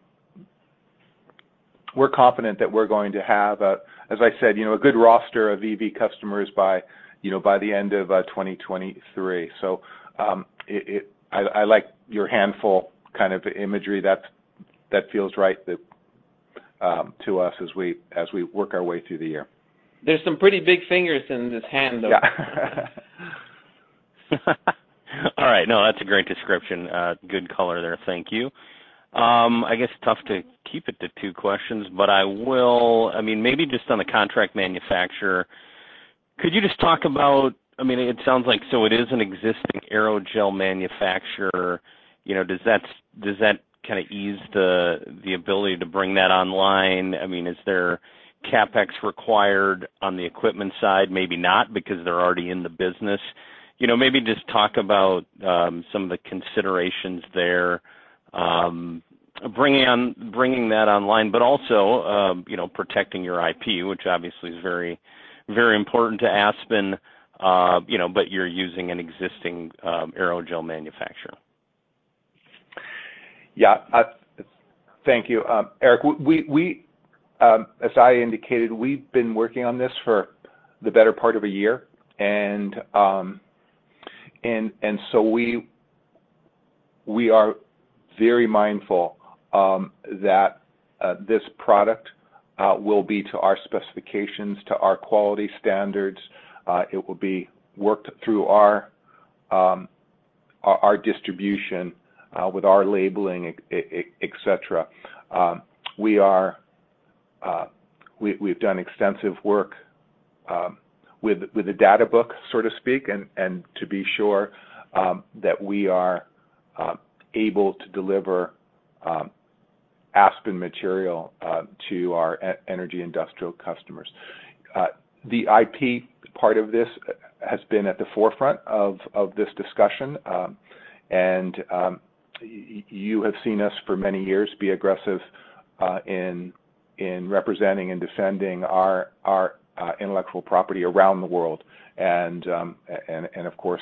we're confident that we're going to have, as I said, you know, a good roster of EV customers by, you know, the end of 2023. It I like your handful kind of imagery. That's, that feels right to us as we work our way through the year. There's some pretty big fingers in this hand, though. Yeah. All right. No, that's a great description. Good color there. Thank you. I guess tough to keep it to two questions, but I will. I mean, maybe just on the contract manufacturer, could you just talk about? I mean, it sounds like, so it is an existing aerogel manufacturer. You know, does that, does that kinda ease the ability to bring that online? I mean, is there CapEx required on the equipment side? Maybe not, because they're already in the business. You know, maybe just talk about some of the considerations there, bringing that online, but also, you know, protecting your IP, which obviously is very, very important to Aspen, you know, but you're using an existing aerogel manufacturer. Thank you, Eric. We, as I indicated, we've been working on this for the better part of a year. We are very mindful that this product will be to our specifications, to our quality standards. It will be worked through our distribution with our labeling, et cetera. We've done extensive work with the data book, so to speak, to be sure that we are able to deliver Aspen material to our energy industrial customers. The IP part of this has been at the forefront of this discussion. You have seen us for many years be aggressive in representing and defending our intellectual property around the world and of course,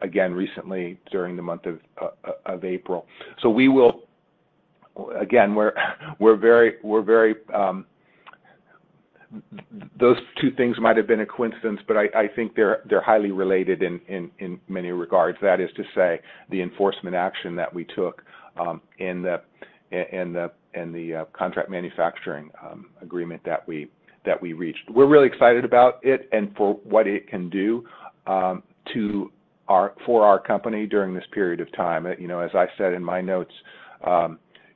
again recently during the month of April. We will. Again, we're very. Those two things might have been a coincidence, but I think they're highly related in many regards. That is to say, the enforcement action that we took in the contract manufacturing agreement that we reached. We're really excited about it and for what it can do for our company during this period of time. You know, as I said in my notes,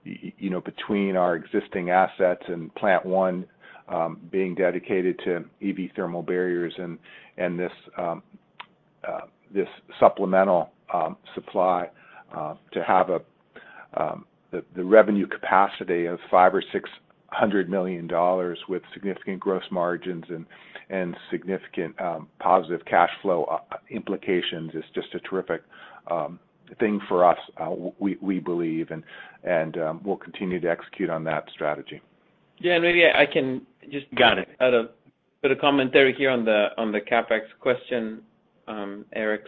you know, between our existing assets and Plant I, being dedicated to EV thermal barriers and this supplemental supply, to have the revenue capacity of $500 million or $600 million with significant gross margins and significant positive cash flow implications is just a terrific thing for us, we believe, and we'll continue to execute on that strategy. Yeah, maybe I can. Got it. Add a bit of commentary here on the CapEx question, Eric.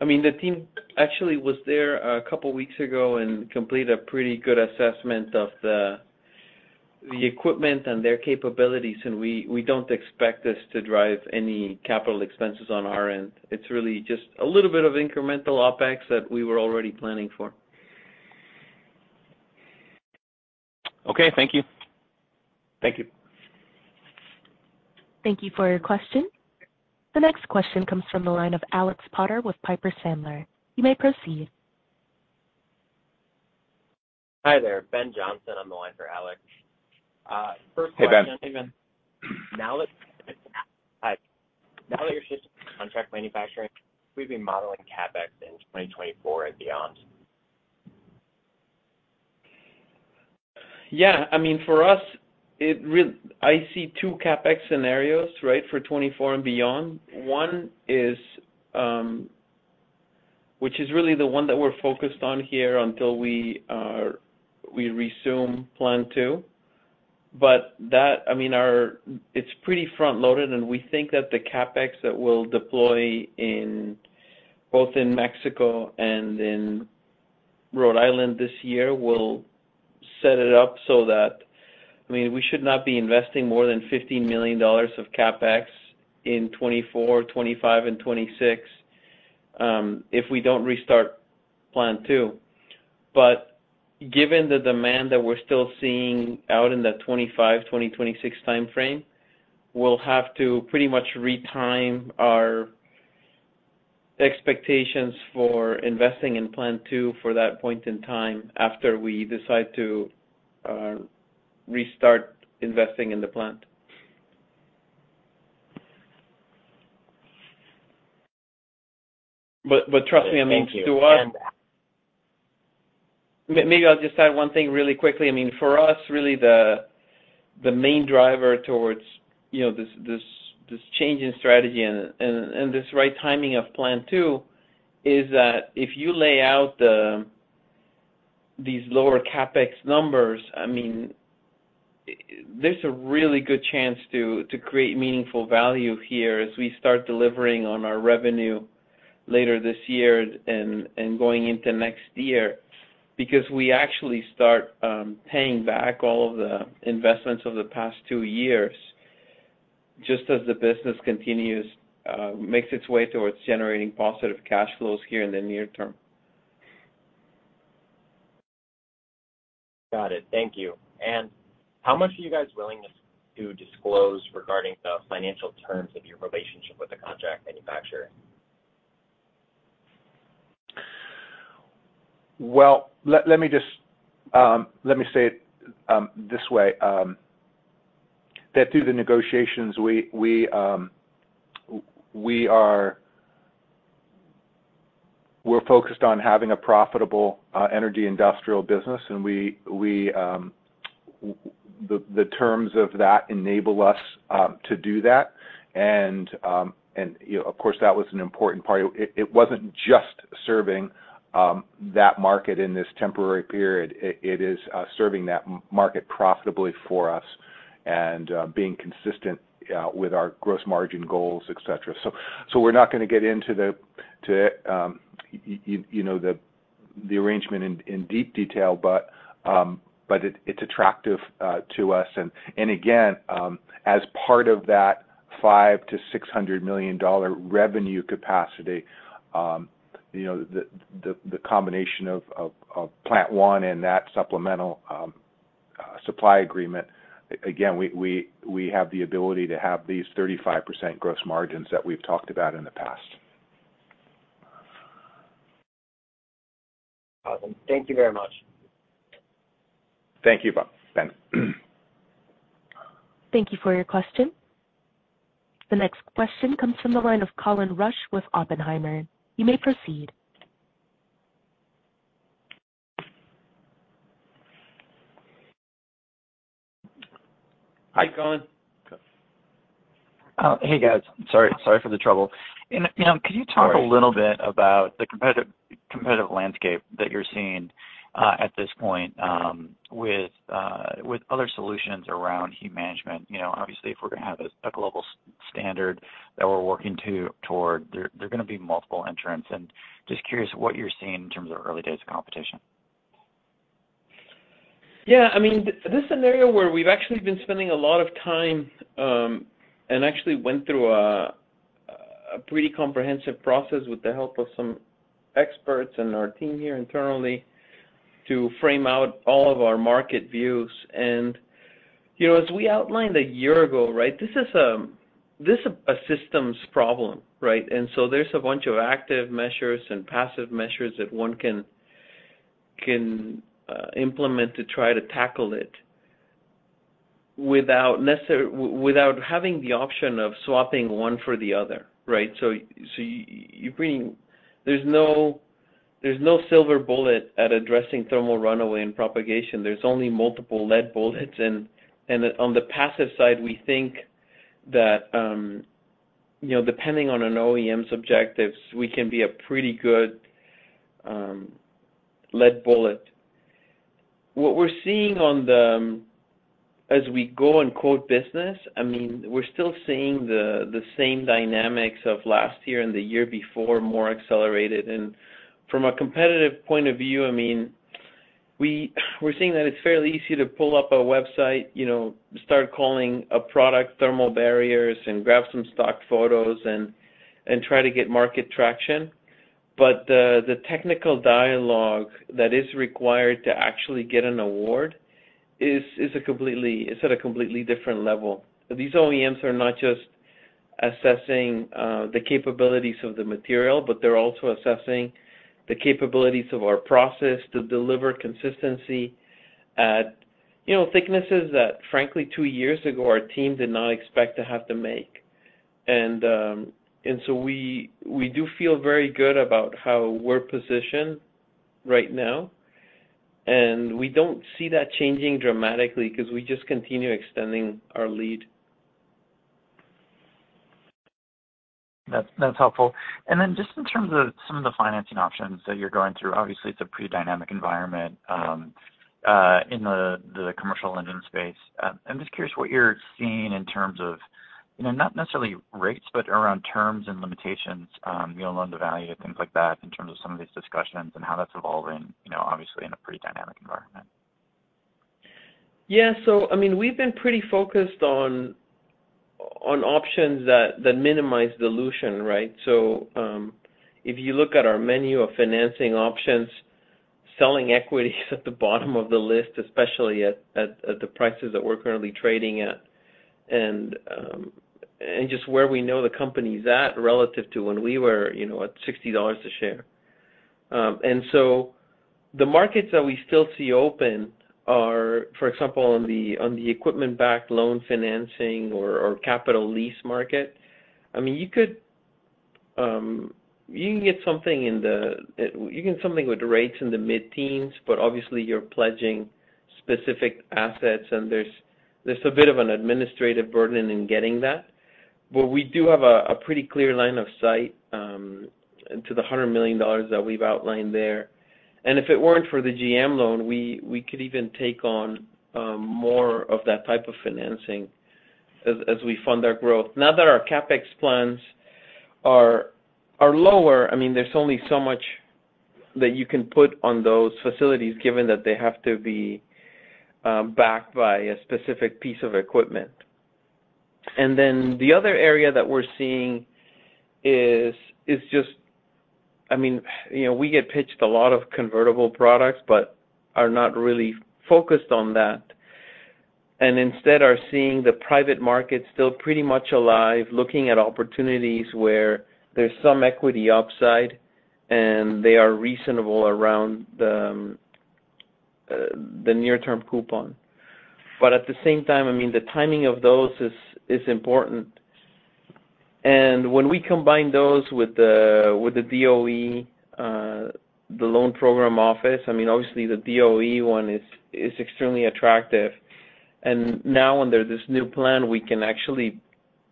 I mean, the team actually was there a couple weeks ago and completed a pretty good assessment of the equipment and their capabilities, and we don't expect this to drive any capital expenses on our end. It's really just a little bit of incremental OpEx that we were already planning for. Okay. Thank you. Thank you. Thank you for your question. The next question comes from the line of Alex Potter with Piper Sandler. You may proceed. Hi there. Ben Johnson on the line for Alex. First question. Hey, Ben. Hi. Now that you're switching to contract manufacturing, we've been modeling CapEx in 2024 and beyond. Yeah. I mean, for us I see two CapEx scenarios, right, for 2024 and beyond. One is, which is really the one that we're focused on here until we resume Plant II. That, I mean, it's pretty front-loaded, and we think that the CapEx that we'll deploy in both in Mexico and in Rhode Island this year will set it up so that, I mean, we should not be investing more than $50 million of CapEx in 2024, 2025, and 2026 if we don't restart Plant II. Given the demand that we're still seeing out in the 2025, 2026 timeframe, we'll have to pretty much retime our expectations for investing in Plant II for that point in time after we decide to restart investing in the plant. Trust me, I mean, to us- Thank you. Maybe I'll just add one thing really quickly. I mean, for us, really the main driver towards, you know, this change in strategy and this right timing of Plant II is that if you lay out these lower CapEx numbers, I mean, there's a really good chance to create meaningful value here as we start delivering on our revenue later this year and going into next year because we actually start paying back all of the investments of the past two years just as the business continues, makes its way towards generating positive cash flows here in the near term. Got it. Thank you. How much are you guys willing to disclose regarding the financial terms of your relationship with the contract manufacturer? Let me just let me say it this way, that through the negotiations, We're focused on having a profitable energy industrial business, and we the terms of that enable us to do that. You know, of course that was an important part. It wasn't just serving that market in this temporary period. It is serving that market profitably for us and being consistent with our gross margin goals, et cetera. We're not gonna get into the you know the arrangement in deep detail, but it's attractive to us. Again, as part of that $500 million-$600 million revenue capacity, you know, the combination of Plant I and that supplemental supply agreement, again, we have the ability to have these 35% gross margins that we've talked about in the past. Awesome. Thank you very much. Thank you, Ben. Thank you for your question. The next question comes from the line of Colin Rusch with Oppenheimer. You may proceed. Hi, Colin. Hey, guys. Sorry for the trouble. Sorry. Can you talk a little bit about the competitive landscape that you're seeing at this point with other solutions around heat management? You know, obviously, if we're gonna have a global standard that we're working toward, there are gonna be multiple entrants. Just curious what you're seeing in terms of early days of competition? Yeah. I mean, this is an area where we've actually been spending a lot of time and actually went through a pretty comprehensive process with the help of some experts and our team here internally to frame out all of our market views. You know, as we outlined a year ago, right, this is a systems problem, right? There's a bunch of active measures and passive measures that one can implement to try to tackle it without having the option of swapping one for the other, right? There's no silver bullet at addressing thermal runaway and propagation. There's only multiple lead bullets. On the passive side, we think that, you know, depending on an OEM's objectives, we can be a pretty good lead bullet. What we're seeing as we go and quote business, I mean, we're seeing that it's fairly easy to pull up a website, you know, start calling a product thermal barriers and grab some stock photos and try to get market traction. The technical dialogue that is required to actually get an award is a completely different level. These OEMs are not just assessing the capabilities of the material, but they're also assessing the capabilities of our process to deliver consistency at, you know, thicknesses that frankly, two years ago, our team did not expect to have to make. We do feel very good about how we're positioned right now, and we don't see that changing dramatically 'cause we just continue extending our lead. That's helpful. Just in terms of some of the financing options that you're going through, obviously it's a pretty dynamic environment in the commercial engine space. I'm just curious what you're seeing in terms of, you know, not necessarily rates, but around terms and limitations on loan-to-value, things like that, in terms of some of these discussions and how that's evolving, you know, obviously in a pretty dynamic environment. I mean, we've been pretty focused on options that minimize dilution, right? If you look at our menu of financing options, selling equity is at the bottom of the list, especially at the prices that we're currently trading at, and just where we know the company's at relative to when we were, you know, at $60 a share. The markets that we still see open are, for example, on the equipment-backed loan financing or capital lease market. I mean, you could get something with rates in the mid-teens, but obviously you're pledging specific assets and there's a bit of an administrative burden in getting that. We do have a pretty clear line of sight to the $100 million that we've outlined there. If it weren't for the GM loan, we could even take on more of that type of financing as we fund our growth. Now that our CapEx plans are lower, I mean, there's only so much that you can put on those facilities given that they have to be backed by a specific piece of equipment. The other area that we're seeing is just, I mean, you know, we get pitched a lot of convertible products but are not really focused on that. Instead are seeing the private market still pretty much alive, looking at opportunities where there's some equity upside, and they are reasonable around the near-term coupon. At the same time, I mean, the timing of those is important. When we combine those with the, with the DOE, the Loan Programs Office, I mean, obviously the DOE one is extremely attractive. Now under this new plan, we can actually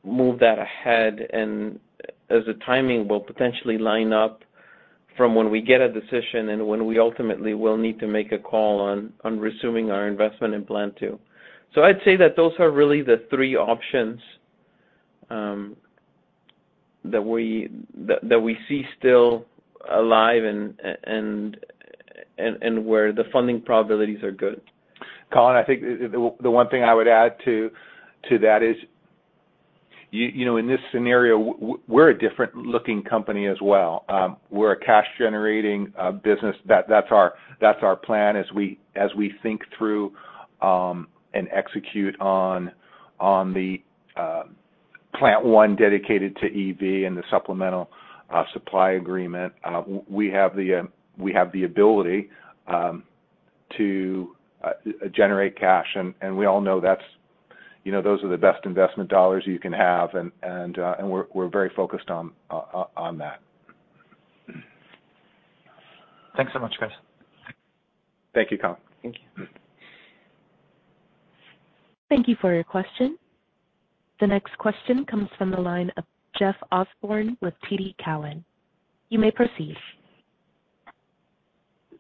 move that ahead and as the timing will potentially line up from when we get a decision and when we ultimately will need to make a call on resuming our investment in Plant II. I'd say that those are really the 3 options that we see still alive and where the funding probabilities are good. Colin, I think the one thing I would add to that is, you know, in this scenario, we're a different-looking company as well. We're a cash-generating business. That's our plan as we think through and execute on the Plant I dedicated to EV and the supplemental supply agreement. We have the ability to generate cash. We all know that's, you know, those are the best investment dollars you can have and we're very focused on that. Thanks so much, guys. Thank you, Colin. Thank you. Thank you for your question. The next question comes from the line of Jeff Osborne with TD Cowen. You may proceed.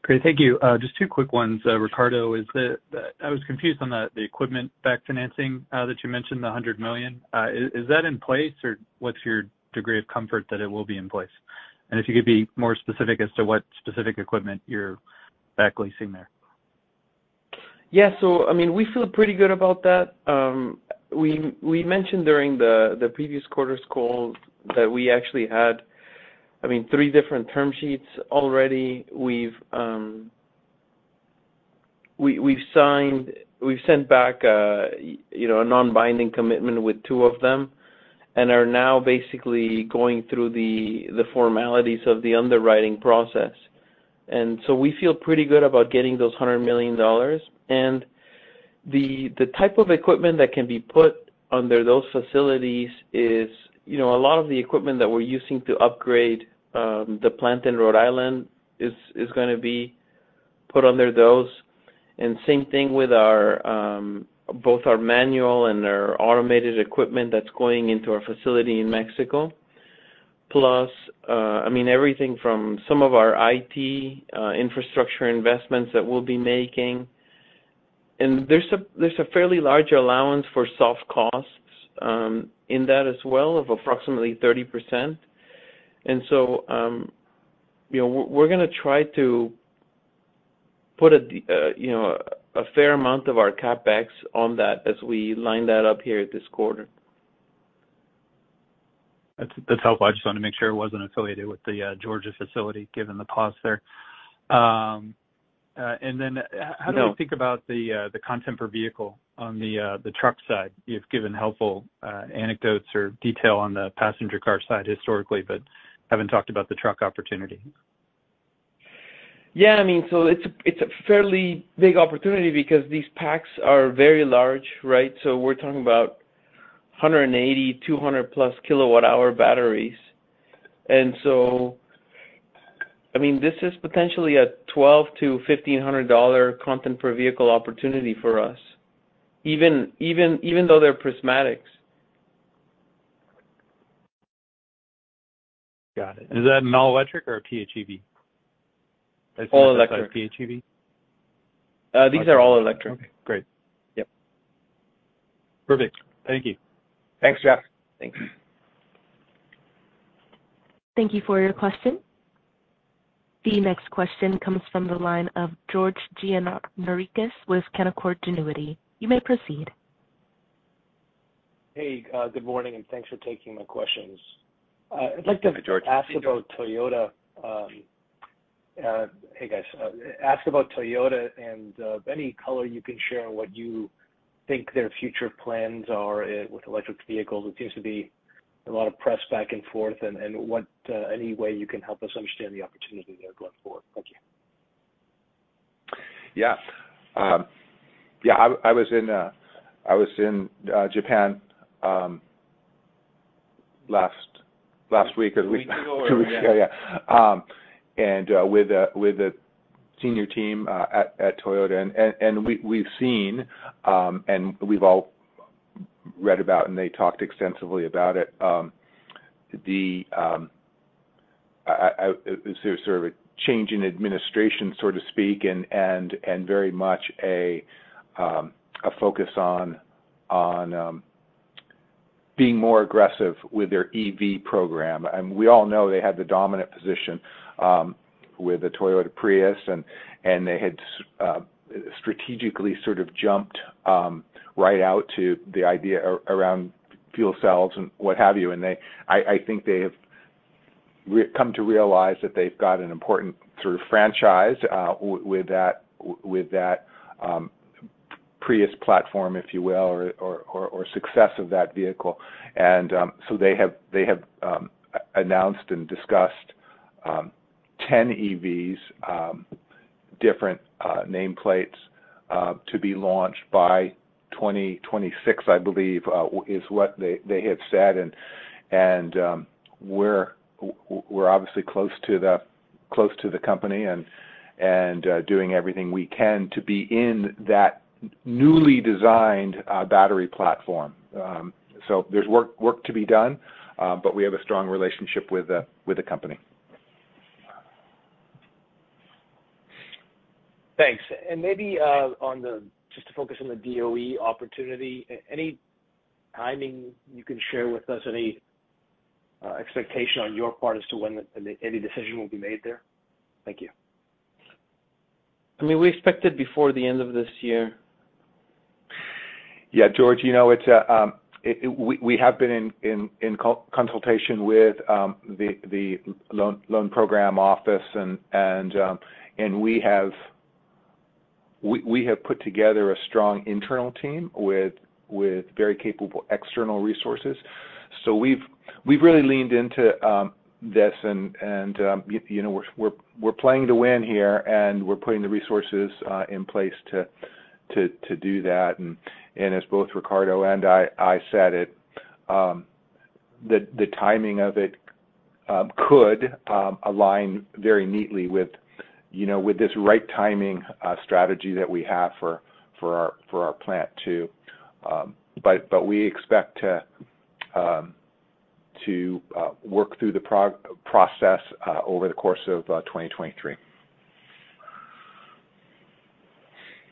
Great. Thank you. Just two quick ones. Ricardo, I was confused on the equipment-backed financing that you mentioned, the $100 million. Is that in place or what's your degree of comfort that it will be in place? If you could be more specific as to what specific equipment you're back leasing there. I mean, we feel pretty good about that. We mentioned during the previous quarter's call that we actually had, I mean, three different term sheets already. We've sent back, you know, a non-binding commitment with two of them, and are now basically going through the formalities of the underwriting process. We feel pretty good about getting those $100 million. The type of equipment that can be put under those facilities is, you know, a lot of the equipment that we're using to upgrade, the plant in Rhode Island is gonna be put under those. Same thing with our, both our manual and our automated equipment that's going into our facility in Mexico. Plus, I mean, everything from some of our IT infrastructure investments that we'll be making. There's a, there's a fairly large allowance for soft costs in that as well of approximately 30%. You know, we're gonna try to put a, you know, a fair amount of our CapEx on that as we line that up here this quarter. That's helpful. I just wanted to make sure it wasn't affiliated with the Georgia facility given the pause there. How do you think about the content per vehicle on the truck side? You've given helpful anecdotes or detail on the passenger car side historically, but haven't talked about the truck opportunity. I mean, it's a fairly big opportunity because these packs are very large, right? So we're talking about 180, 200 plus kilowatt-hour batteries. I mean, this is potentially a $1,200-$1,500 content per vehicle opportunity for us, even though they're prismatics. Got it. Is that an all-electric or a PHEV? All electric. PHEV? These are all electric. Okay, great. Yep. Perfect. Thank you. Thanks, Jeff. Thanks. Thank you for your question. The next question comes from the line of George Gianarikas with Canaccord Genuity. You may proceed. Hey, good morning, and thanks for taking my questions. Hi, George. I would like to ask about Toyota, hey guys, ask about Toyota and any color you can share on what you think their future plans are with electric vehicles. It seems to be a lot of press back and forth, and what, any way you can help us understand the opportunity there going forward. Thank you. Yeah, I was in Japan, last week as we- A week ago or yeah. Yeah. With a senior team at Toyota. We've seen, and we've all read about, and they talked extensively about it, the sort of a change in administration, so to speak, and very much a focus on being more aggressive with their EV program. We all know they had the dominant position with the Toyota Prius, and they had strategically sort of jumped right out to the idea around fuel cells and what have you. They, I think they have re-come to realize that they've got an important sort of franchise with that, with that Prius platform, if you will, or success of that vehicle. So they have announced and discussed 10 EVs, different nameplates, to be launched by 2026, I believe, is what they have said. We're obviously close to the company and doing everything we can to be in that newly designed battery platform. There's work to be done, but we have a strong relationship with the company. Thanks. Maybe just to focus on the DOE opportunity, any timing you can share with us, any expectation on your part as to when any decision will be made there? Thank you. I mean, we expect it before the end of this year. Yeah, George, you know, it's, we have been in co-consultation with the Loan Programs Office and we have put together a strong internal team with very capable external resources. We've really leaned into this and you know, we're playing to win here, and we're putting the resources in place to do that. As both Ricardo and I said it, the timing of it could align very neatly with you know, with this right timing strategy that we have for our Plant II. We expect to work through the process, over the course of, 2023.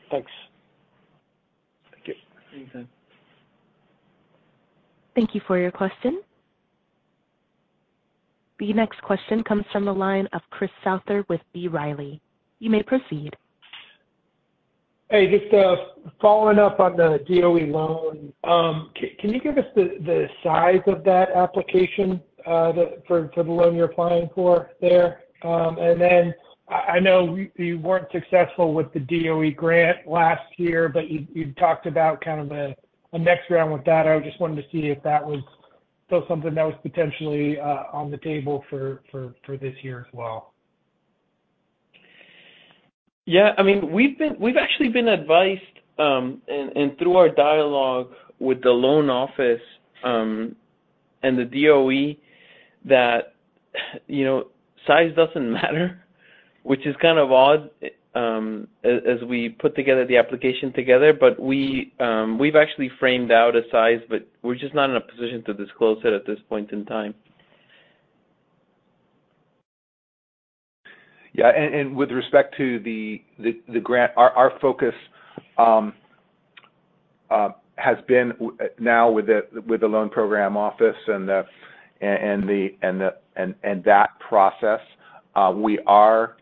Thanks. Thank you. Anytime. Thank you for your question. The next question comes from the line of Chris Souther with B. Riley. You may proceed. Hey, just following up on the DOE loan, can you give us the size of that application for the loan you're applying for there? Then I know you weren't successful with the DOE grant last year, but you talked about kind of a next round with that. I just wanted to see if that was still something that was potentially on the table for this year as well. Yeah, I mean, we've actually been advised, and through our dialogue with the Loan Programs Office and the DOE that, you know, size doesn't matter, which is kind of odd, as we put together the application together. We've actually framed out a size, but we're just not in a position to disclose it at this point in time. Yeah. With respect to the grant, our focus has been now with the Loan Programs Office and that process. We are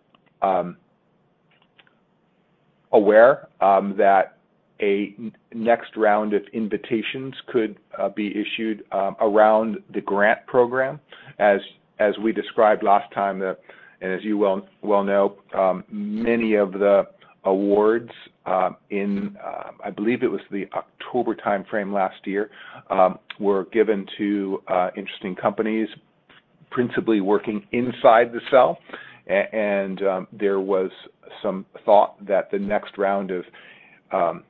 aware that a next round of invitations could be issued around the grant program. As we described last time, as you well know, many of the awards in, I believe it was the October timeframe last year, were given to interesting companies principally working inside the cell. There was some thought that the next round of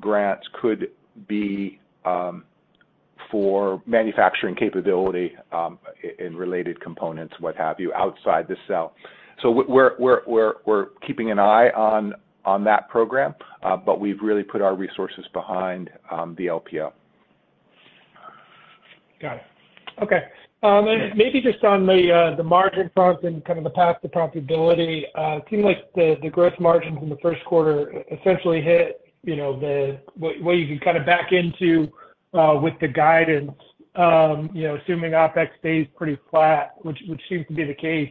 grants could be for manufacturing capability in related components, what have you, outside the cell. We're keeping an eye on that program, but we've really put our resources behind the LPO. Got it. Okay. Maybe just on the margin front and kind of the path to profitability, it seemed like the gross margins in the first quarter essentially hit, you know, what you can kind of back into with the guidance, you know, assuming OpEx stays pretty flat, which seems to be the case.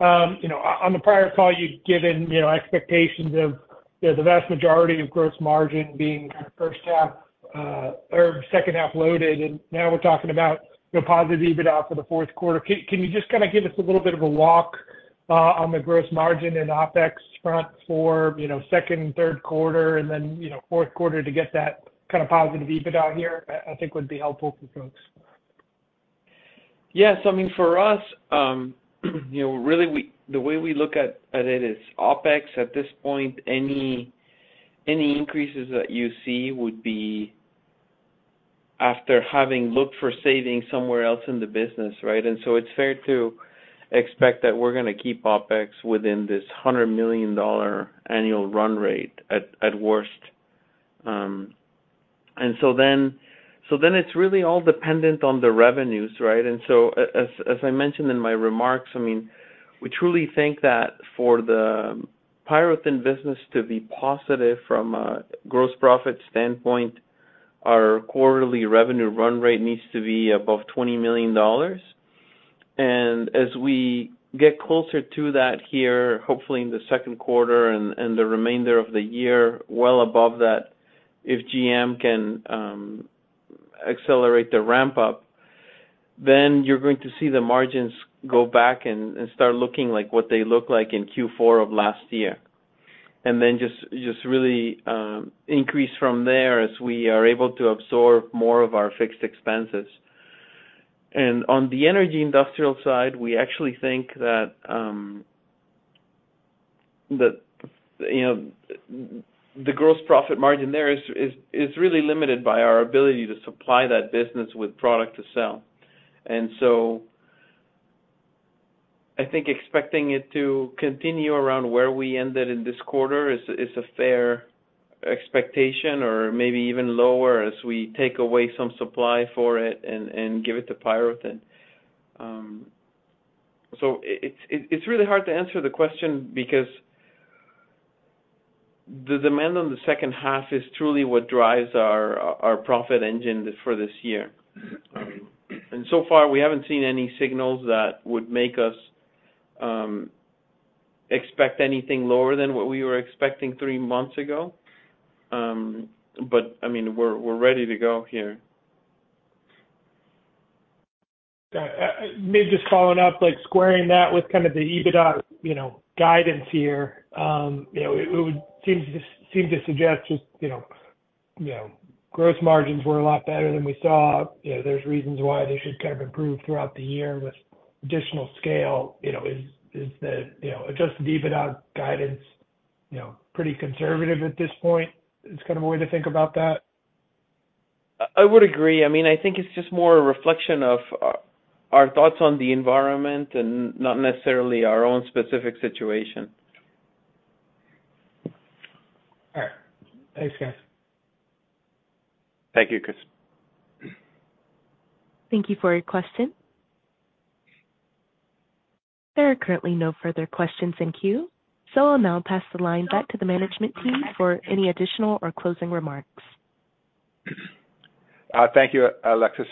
You know, on the prior call, you'd given, you know, expectations of, you know, the vast majority of gross margin being kind of first half or second half loaded, and now we're talking about, you know, positive EBITDA for the fourth quarter. Can you just kind of give us a little bit of a walk on the gross margin and OpEx front for, you know, second and third quarter and then, you know, fourth quarter to get that kind of positive EBITDA here, I think would be helpful for folks. Yes. I mean, for us, you know, really the way we look at it is OpEx at this point, any increases that you see would be after having looked for savings somewhere else in the business, right? It's fair to expect that we're gonna keep OpEx within this $100 million annual run rate at worst. It's really all dependent on the revenues, right? As, as I mentioned in my remarks, I mean, we truly think that for the PyroThin business to be positive from a gross profit standpoint, our quarterly revenue run rate needs to be above $20 million. As we get closer to that here, hopefully in the second quarter and the remainder of the year, well above that, if GM can accelerate the ramp-up, then you're going to see the margins go back and start looking like what they looked like in Q4 of last year. Just really increase from there as we are able to absorb more of our fixed expenses. On the energy industrial side, we actually think that, you know, the gross profit margin there is really limited by our ability to supply that business with product to sell. I think expecting it to continue around where we ended in this quarter is a fair expectation or maybe even lower as we take away some supply for it and give it to PyroThin. It's, it's really hard to answer the question because the demand on the second half is truly what drives our profit engine for this year. So far we haven't seen any signals that would make us expect anything lower than what we were expecting three months ago. I mean, we're ready to go here. Got it. Maybe just following up, like squaring that with kind of the EBITDA, you know, guidance here, you know, seems to suggest just, you know, gross margins were a lot better than we saw. You know, there's reasons why they should kind of improve throughout the year with additional scale. You know, is the, you know, adjusted EBITDA guidance, you know, pretty conservative at this point? Is kind of a way to think about that? I would agree. I mean, I think it's just more a reflection of our thoughts on the environment and not necessarily our own specific situation. All right. Thanks, guys. Thank you, Chris. Thank you for your question. There are currently no further questions in queue, so I'll now pass the line back to the management team for any additional or closing remarks. Thank you, Alexis.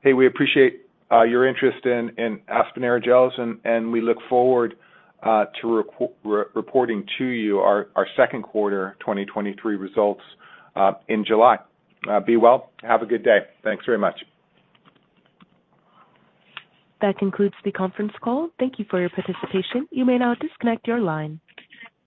Hey, we appreciate your interest in Aspen Aerogels, and we look forward to reporting to you our second quarter 2023 results in July. Be well, have a good day. Thanks very much. That concludes the conference call. Thank you for your participation. You may now disconnect your line.